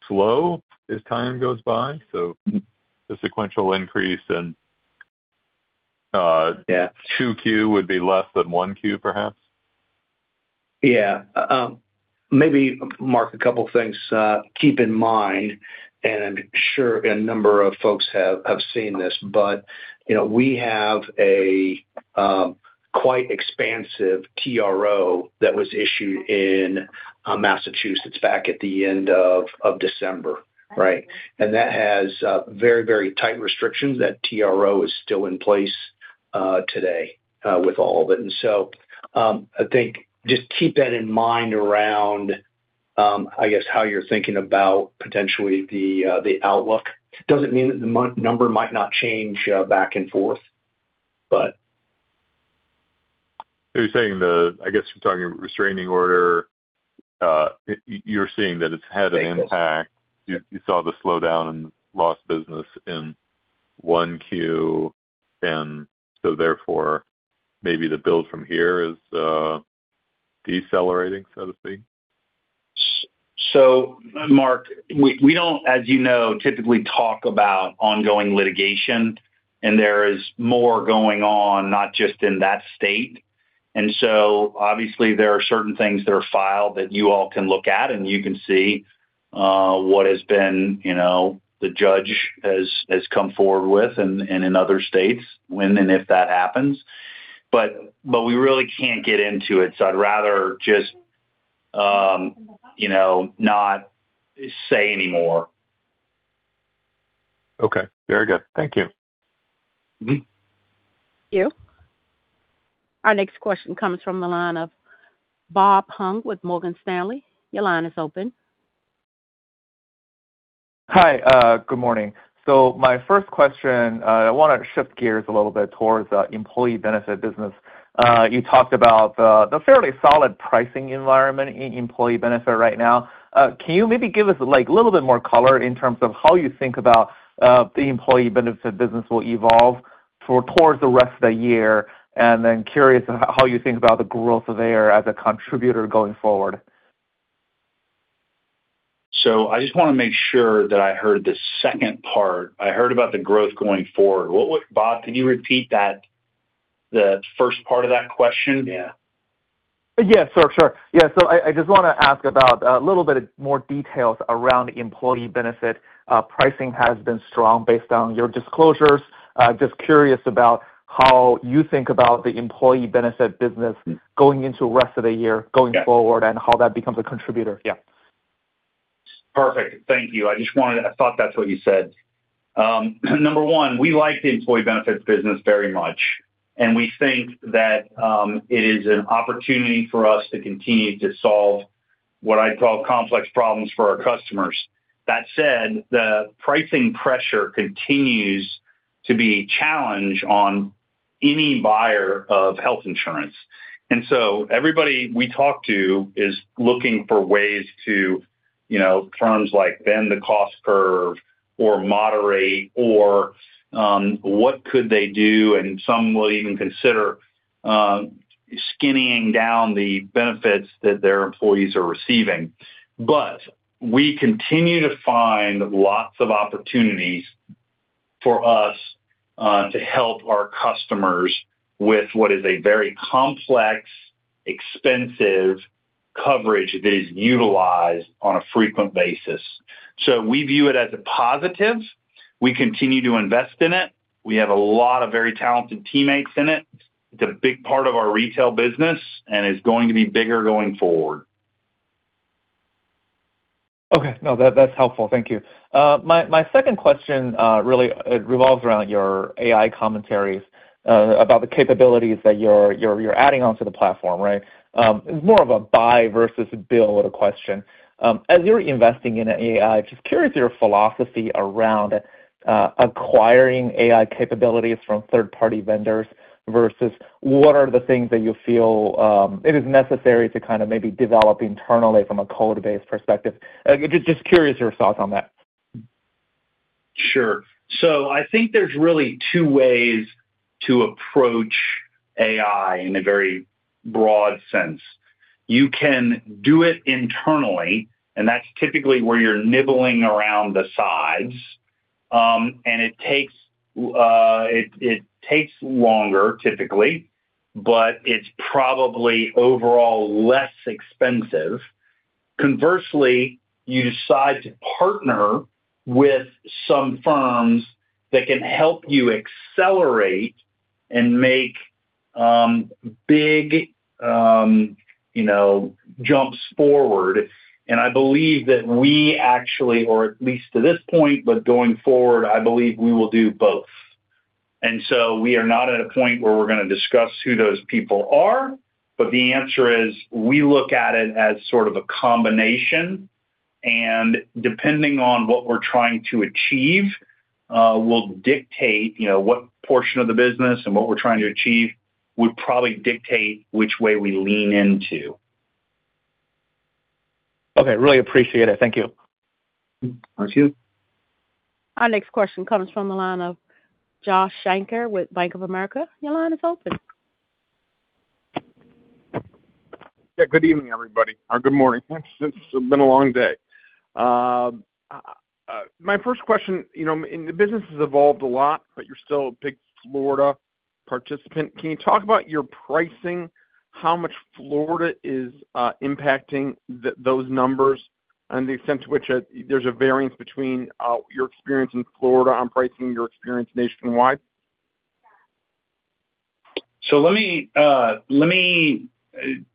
slow as time goes by? Mm-hmm. The sequential increase in— Yeah. Q2 would be less than Q1, perhaps? Yeah. Maybe Mark, a couple of things keep in mind, and I'm sure a number of folks have seen this, but, you know, we have a quite expansive TRO that was issued in Massachusetts back at the end of December, right? That has very tight restrictions. That TRO is still in place today with all of it. So, I think just keep that in mind around, I guess, how you're thinking about potentially the outlook. Doesn't mean that the number might not change back and forth. I guess you're talking restraining order. You're seeing that it's had an impact. Yes. You saw the slowdown in lost business in Q1, and so therefore maybe the build from here is decelerating, so to speak? Mark, we don't, as you know, typically talk about ongoing litigation, and there is more going on not just in that state. Obviously there are certain things that are filed that you all can look at, and you can see what has been, you know, the judge has come forward with in other states when and if that happens. We really can't get into it, so I'd rather just, you know, not say anymore. Okay. Very good. Thank you. Mm-hmm. Thank you. Our next question comes from the line of Bob Huang with Morgan Stanley. Your line is open. Hi, good morning. My first question, I want to shift gears a little bit towards the employee benefit business. You talked about the fairly solid pricing environment in employee benefit right now. Can you maybe give us, like, a little bit more color in terms of how you think about the employee benefit business will evolve towards the rest of the year? Curious about how you think about the growth there as a contributor going forward. I just want to make sure that I heard the second part. I heard about the growth going forward. Bob, can you repeat that, the first part of that question? Yeah. Yeah, sure. Yeah, I just wanna ask about a little bit more details around employee benefit. Pricing has been strong based on your disclosures. Just curious about how you think about the employee benefit business going into rest of the year going forward? Yeah How that becomes a contributor. Yeah. Perfect. Thank you. I thought that's what you said. number one, we like the employee benefits business very much, and we think that it is an opportunity for us to continue to solve what I call complex problems for our customers. That said, the pricing pressure continues to be a challenge on any buyer of health insurance. Everybody we talk to is looking for ways to, you know, terms like bend the cost curve or moderate or what could they do, and some will even consider skinnying down the benefits that their employees are receiving. We continue to find lots of opportunities for us to help our customers with what is a very complex, expensive coverage that is utilized on a frequent basis. We view it as a positive. We continue to invest in it. We have a lot of very talented teammates in it. It's a big part of our retail business and is going to be bigger going forward. Okay. No, that's helpful. Thank you. My second question really revolves around your AI commentaries about the capabilities that you're adding onto the platform, right? It's more of a buy versus build question. As you're investing in AI, just curious your philosophy around acquiring AI capabilities from third-party vendors versus what are the things that you feel it is necessary to kind of maybe develop internally from a code-based perspective. Just curious your thoughts on that. Sure. I think there's really two ways to approach AI in a very broad sense. You can do it internally, and that's typically where you're nibbling around the sides. And it takes longer typically, but it's probably overall less expensive. Conversely, you decide to partner with some firms that can help you accelerate and make big, you know, jumps forward. I believe that we actually, or at least to this point, but going forward, I believe we will do both. We are not at a point where we're gonna discuss who those people are. The answer is we look at it as sort of a combination, and depending on what we're trying to achieve, will dictate, you know, what portion of the business and what we're trying to achieve would probably dictate which way we lean into. Okay. Really appreciate it. Thank you. Thank you. Our next question comes from the line of Joshua Shanker with Bank of America. Your line is open. Yeah, good evening, everybody, or good morning. It's been a long day. My first question, you know, the business has evolved a lot, but you're still a big Florida participant. Can you talk about your pricing, how much Florida is impacting those numbers and the extent to which there's a variance between your experience in Florida on pricing, your experience nationwide? Let me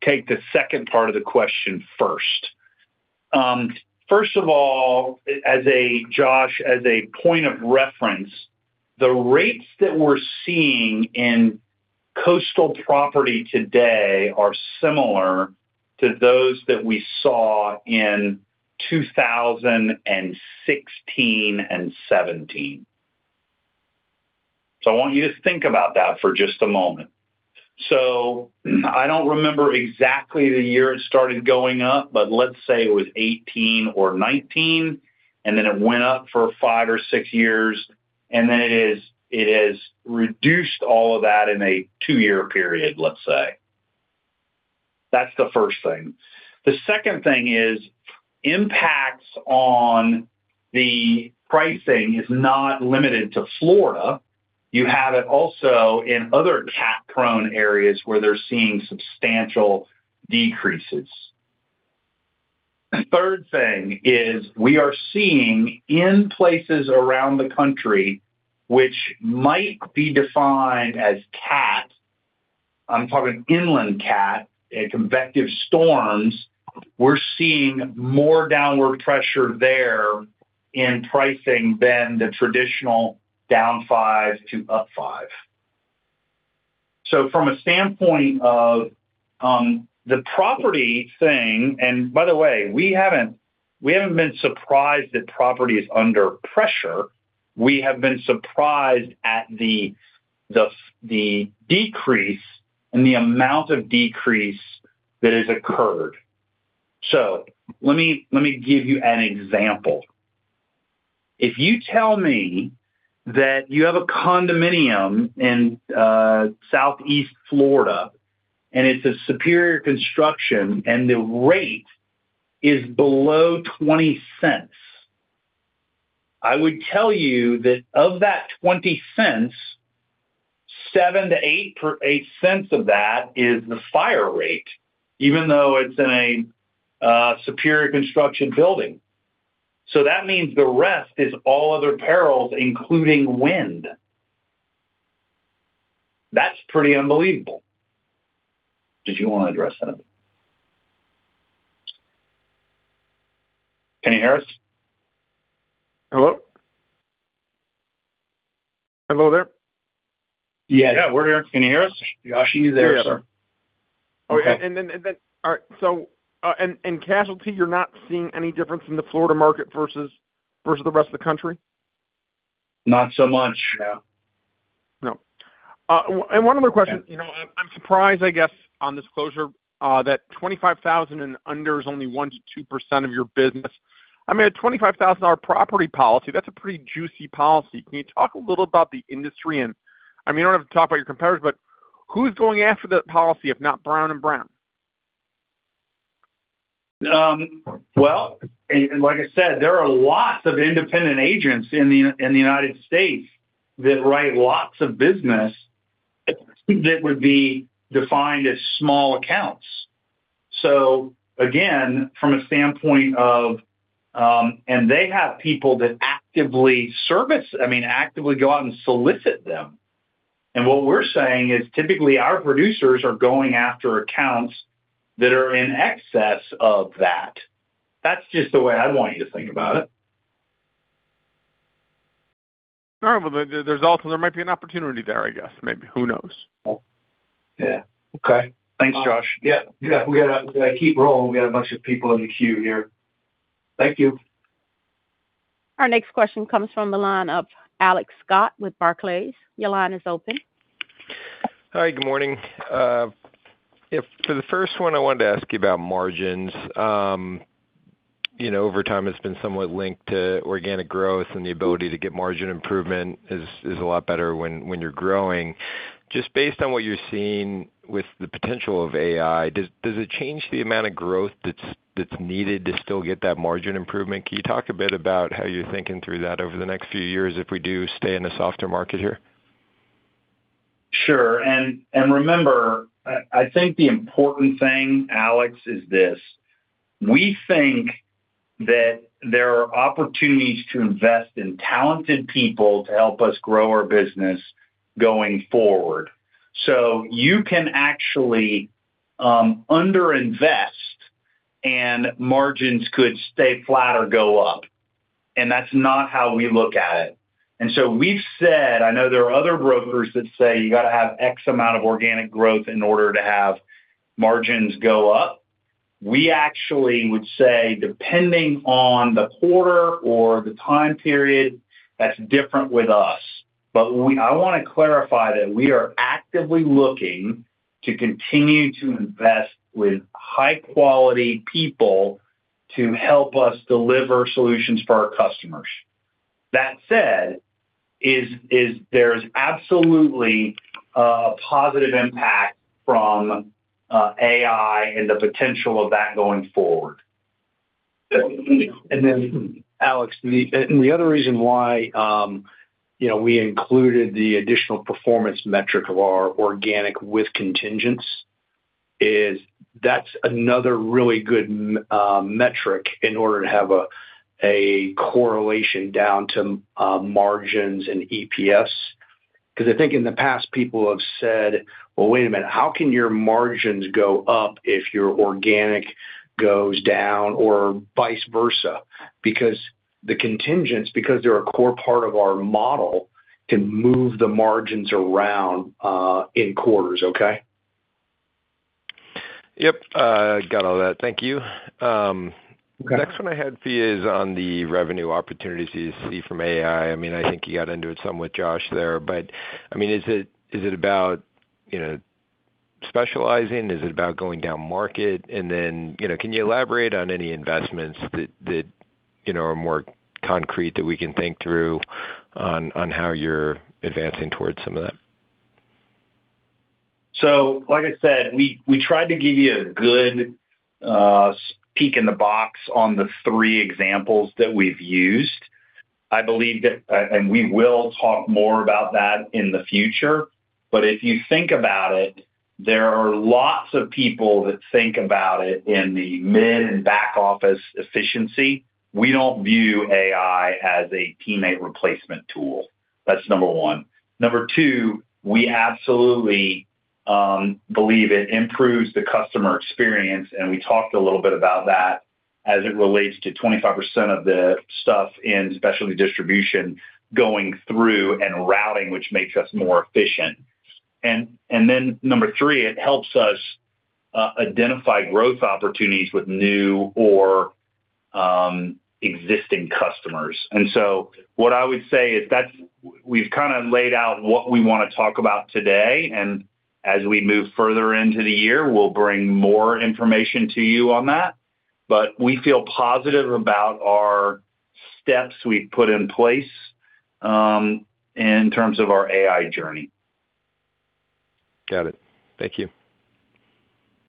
take the second part of the question first. First of all, Joshua, as a point of reference, the rates that we're seeing in coastal property today are similar to those that we saw in 2016 and 2017. I want you to think about that for just a moment. I don't remember exactly the year it started going up, but let's say it was 18 or 19, and then it went up for five or six years, and then it has reduced all of that in a two year period, let's say. That's the first thing. The second thing is impacts on the pricing is not limited to Florida. You have it also in other cat-prone areas where they're seeing substantial decreases. Third thing is we are seeing in places around the country, which might be defined as cat, I'm talking inland cat and convective storms, we're seeing more downward pressure there in pricing than the traditional down five to up five. From a standpoint of the property thing. By the way, we haven't been surprised that property is under pressure. We have been surprised at the decrease and the amount of decrease that has occurred. Let me give you an example. If you tell me that you have a condominium in Southeast Florida, and it's a superior construction and the rate is below $0.20, I would tell you that of that $0.20, $0.07-$0.08 of that is the fire rate, even though it's in a superior construction building. That means the rest is all other perils, including wind. That's pretty unbelievable. Did you wanna address that? Can you hear us? Hello? Hello there. Yeah. Yeah, we're here. Can you hear us? Yeah, she's there, sir. Yeah. Okay. All right. In casualty, you're not seeing any difference in the Florida market versus the rest of the country? Not so much, no. No. One other question. You know, I'm surprised, I guess, on this closure, that $25,000 and under is only 1%-2% of your business. I mean, a $25,000 property policy, that's a pretty juicy policy. Can you talk a little about the industry? I mean, you don't have to talk about your competitors, but who's going after that policy, if not Brown & Brown? Well, and like I said, there are lots of independent agents in the United States that write lots of business that would be defined as small accounts. Again, from a standpoint of. They have people that actively service. I mean, actively go out and solicit them. What we're saying is typically our producers are going after accounts that are in excess of that. That's just the way I want you to think about it. All right. Well, there's also there might be an opportunity there, I guess. Maybe. Who knows? Yeah. Okay. Thanks, Joshua. Yeah. Yeah. We gotta keep rolling. We got a bunch of people in the queue here. Thank you. Our next question comes from the line of Alex Scott with Barclays. Your line is open. Hi. Good morning. For the first one, I wanted to ask you about margins. You know, over time, it's been somewhat linked to organic growth, and the ability to get margin improvement is a lot better when you're growing. Just based on what you're seeing with the potential of AI, does it change the amount of growth that's needed to still get that margin improvement? Can you talk a bit about how you're thinking through that over the next few years if we do stay in a softer market here? Sure. Remember, I think the important thing, Alex, is this: We think that there are opportunities to invest in talented people to help us grow our business going forward. You can actually under-invest and margins could stay flat or go up, and that's not how we look at it. We've said, I know there are other brokers that say you gotta have X amount of organic growth in order to have margins go up. We actually would say, depending on the quarter or the time period, that's different with us. I wanna clarify that we are actively looking to continue to invest with high-quality people to help us deliver solutions for our customers. That said, there's absolutely a positive impact from AI and the potential of that going forward. Alex, the other reason why, you know, we included the additional performance metric of our organic with contingents is that's another really good metric in order to have a correlation down to, margins and EPS. I think in the past, people have said, "Well, wait a minute. How can your margins go up if your organic goes down or vice versa?" The contingents, because they're a core part of our model, can move the margins around, in quarters. Okay? Yep. got all that. Thank you. Okay. The next one I had for you is on the revenue opportunities you see from AI? I mean, I think you got into it somewhat, Joshua, there, but I mean, is it, is it about, you know, specializing? Is it about going down market? You know, can you elaborate on any investments that, you know, are more concrete that we can think through on how you're advancing towards some of that? Like I said, we tried to give you a good peek in the box on the three examples that we've used. I believe that. We will talk more about that in the future. If you think about it, there are lots of people that think about it in the mid and back office efficiency. We don't view AI as a teammate replacement tool. That's number one. Number two, we absolutely believe it improves the customer experience. We talked a little bit about that. As it relates to 25% of the stuff in specialty distribution going through and routing, which makes us more efficient. Number three, it helps us identify growth opportunities with new or existing customers. What I would say is we've kinda laid out what we wanna talk about today, and as we move further into the year, we'll bring more information to you on that. We feel positive about our steps we've put in place, in terms of our AI journey. Got it. Thank you.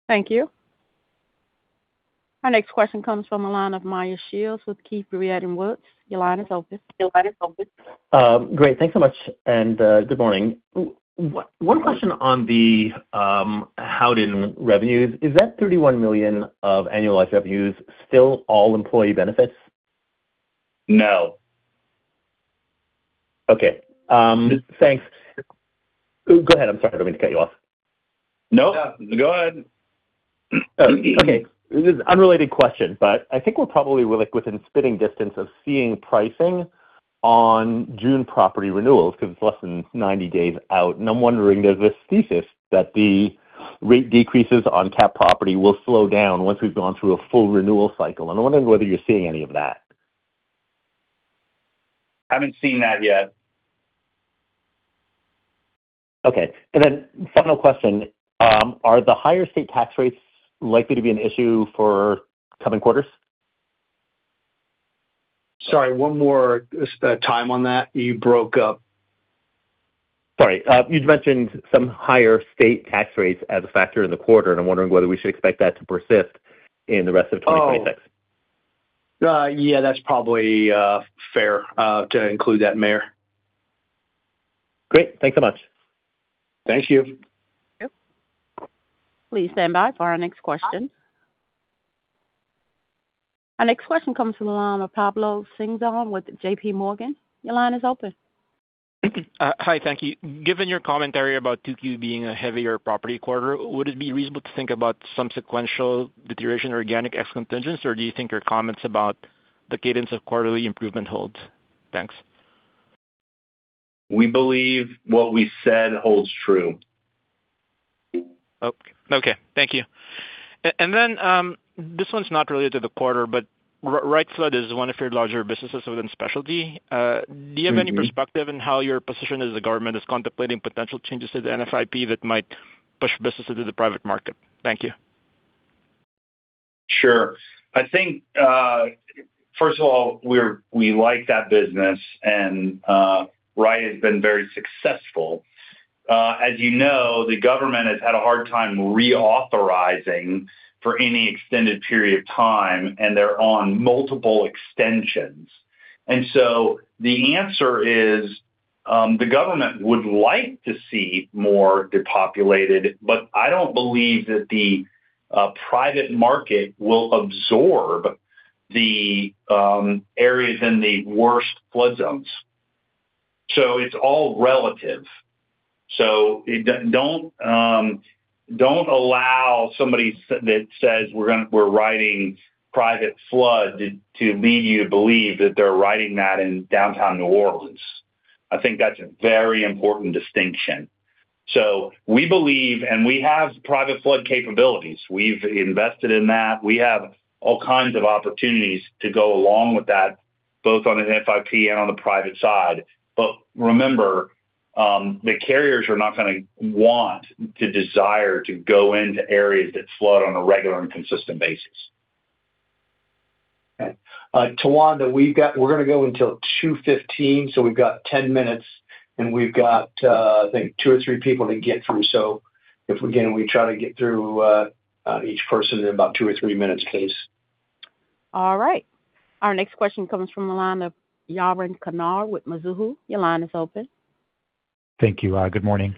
Thank you. Our next question comes from the line of Meyer Shields with Keefe, Bruyette & Woods. Your line is open. Great. Thanks so much, and good morning. One question on the Howden revenues. Is that $31 million of annual revenues still all employee benefits? No. Okay. Thanks. Go ahead. I'm sorry. I didn't mean to cut you off. No. Go ahead. Okay. This is unrelated question, but I think we're probably within spitting distance of seeing pricing on June property renewals 'cause it's less than 90 days out. I'm wondering, there's this thesis that the rate decreases on catastrophe property will slow down once we've gone through a full renewal cycle. I'm wondering whether you're seeing any of that. Haven't seen that yet. Okay. Final question, are the higher state tax rates likely to be an issue for coming quarters? Sorry, one more time on that. You broke up. Sorry. You'd mentioned some higher state tax rates as a factor in the quarter. I'm wondering whether we should expect that to persist in the rest of 2026. Oh. Yeah, that's probably fair to include that, Meyer. Great. Thanks so much. Thank you. Yep. Please stand by for our next question. Our next question comes from the line of Pablo Singzon with JPMorgan. Your line is open. Thank you. Hi. Thank you. Given your commentary about Q2 being a heavier property quarter, would it be reasonable to think about some sequential deterioration or organic ex contingents, or do you think your comments about the cadence of quarterly improvement holds? Thanks. We believe what we said holds true. Oh, okay. Thank you. Then, this one's not related to the quarter, but Wright Flood is one of your larger businesses within specialty. Mm-hmm. Do you have any perspective in how your position as the government is contemplating potential changes to the NFIP that might push businesses to the private market? Thank you. Sure. I think first of all, we like that business and Wright has been very successful. As you know, the government has had a hard time reauthorizing for any extended period of time, and they're on multiple extensions. The answer is, the government would like to see more depopulated, but I don't believe that the private market will absorb the areas in the worst flood zones. Don't allow somebody that says we're writing private flood to lead you to believe that they're writing that in downtown New Orleans. I think that's a very important distinction. We believe, and we have private flood capabilities. We've invested in that. We have all kinds of opportunities to go along with that, both on an NFIP and on the private side. Remember, the carriers are not gonna want to desire to go into areas that flood on a regular and consistent basis. Okay. Tawanda, we're going to go until 2:15, so we've got 10 minutes, and we've got, I think two or three people to get through, so if we can, we try to get through each person in about two or three minutes please. All right. Our next question comes from the line of Yaron Kinar with Mizuho. Your line is open. Thank you. Good morning.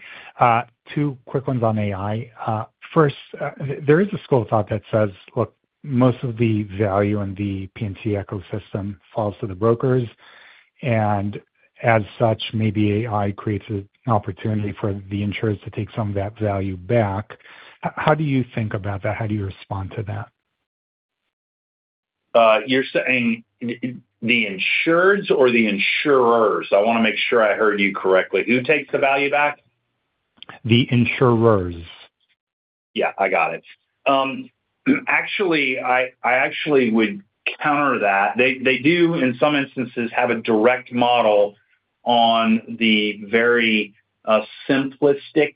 Two quick ones on AI. First, there is a school of thought that says, look, most of the value in the P&C ecosystem falls to the brokers, and as such, maybe AI creates an opportunity for the insurers to take some of that value back. How do you think about that? How do you respond to that? You're saying the insureds or the insurers? I wanna make sure I heard you correctly. Who takes the value back? The insurers. I got it. Actually, I actually would counter that. They do, in some instances, have a direct model on the very simplistic,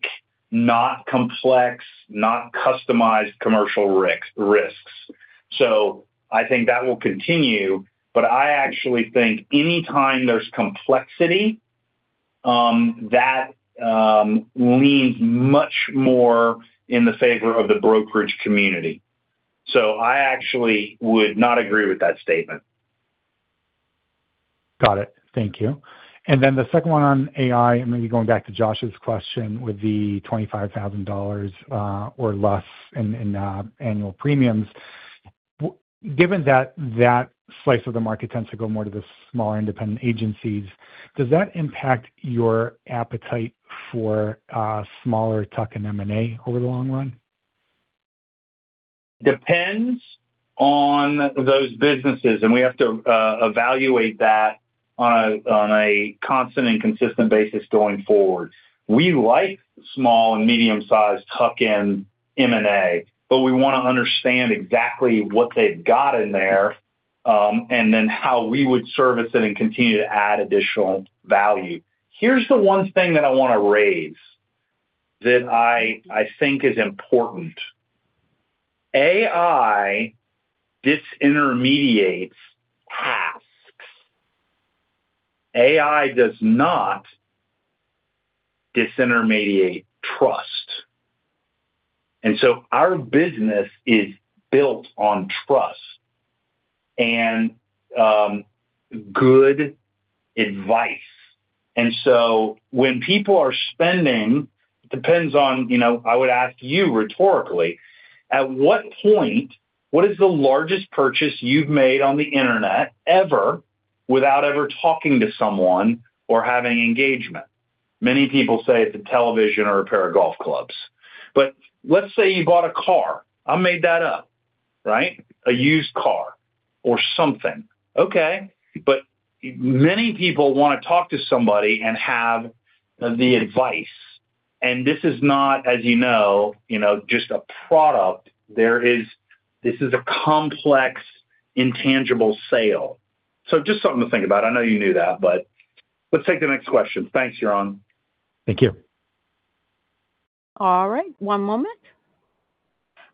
not complex, not customized commercial risks. I think that will continue, but I actually think any time there's complexity, that leans much more in the favor of the brokerage community. I actually would not agree with that statement. Got it. Thank you. The second one on AI, maybe going back to Joshua's question with the $25,000 or less in annual premiums. Given that that slice of the market tends to go more to the smaller independent agencies, does that impact your appetite for smaller tuck-in M&A over the long run? Depends on those businesses, we have to evaluate that on a constant and consistent basis going forward. We like small and medium-sized tuck-in M&A, we wanna understand exactly what they've got in there, and then how we would service it and continue to add additional value. Here's the one thing that I think is important. AI disintermediates tasks. AI does not disintermediate trust. Our business is built on trust and good advice. Depends on, you know, I would ask you rhetorically, at what point, what is the largest purchase you've made on the internet ever without ever talking to someone or having engagement? Many people say it's a television or a pair of golf clubs. Let's say you bought a car. I made that up, right? A used car or something. Okay. Many people wanna talk to somebody and have the advice, and this is not, as you know, you know, just a product. This is a complex, intangible sale. Just something to think about. I know you knew that, but let's take the next question. Thanks, Yaron. Thank you. All right. One moment.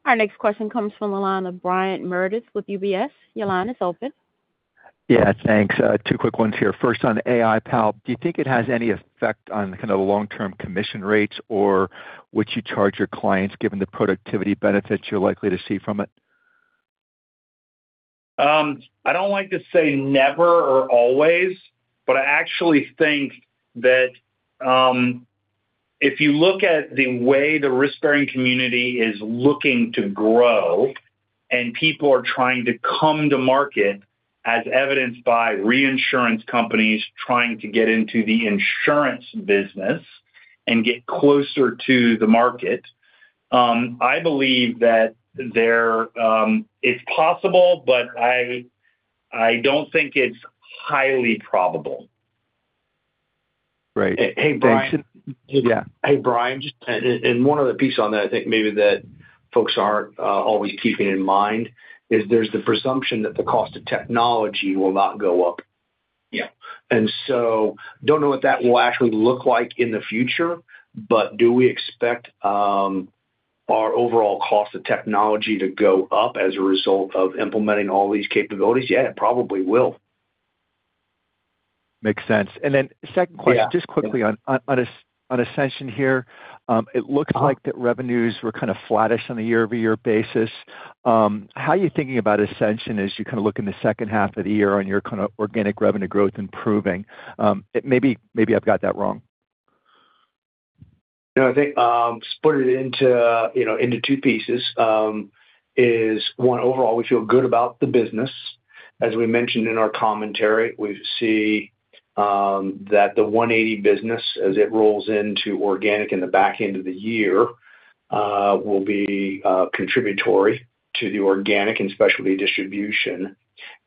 Our next question comes from the line of Brian Meredith with UBS. Your line is open. Yeah, thanks. Two quick ones here. First on AI, Powell. Do you think it has any effect on kind of the long-term commission rates or what you charge your clients given the productivity benefits you're likely to see from it? I don't like to say never or always, but I actually think that, if you look at the way the risk-bearing community is looking to grow and people are trying to come to market as evidenced by reinsurance companies trying to get into the insurance business and get closer to the market, I believe that they're. It's possible. I don't think it's highly probable. Right. Thanks. Hey, Brian. Yeah. Hey, Brian. Just one other piece on that I think maybe that folks aren't always keeping in mind is there's the presumption that the cost of technology will not go up. Yeah. I don't know what that will actually look like in the future. Do we expect our overall cost of technology to go up as a result of implementing all these capabilities? Yeah, it probably will. Makes sense. Second question. Yeah Just quickly on Accession here. It looks like the revenues were kinda flattish on a year-over-year basis. How are you thinking about Accession as you kinda look in the second half of the year on your kinda organic revenue growth improving? Maybe I've got that wrong? No, I think, split it into, you know, into two pieces, is one. Overall we feel good about the business. As we mentioned in our commentary, we see, that the One80 business as it rolls into organic in the back end of the year, will be, contributory to the organic and specialty distribution.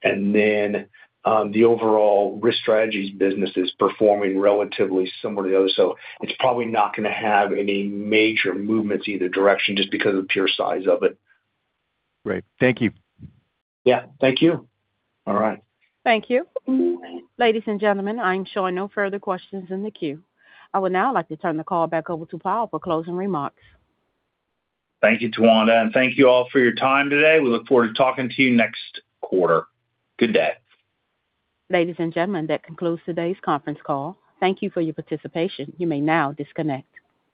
Then, the overall Risk Strategies business is performing relatively similar to those. It's probably not gonna have any major movements either direction just because of the pure size of it. Great. Thank you. Yeah. Thank you. All right. Thank you. Ladies and gentlemen, I'm showing no further questions in the queue. I would now like to turn the call back over to Powell for closing remarks. Thank you, Tawanda, and thank you all for your time today. We look forward to talking to you next quarter. Good day. Ladies and gentlemen, that concludes today's conference call. Thank you for your participation. You may now disconnect.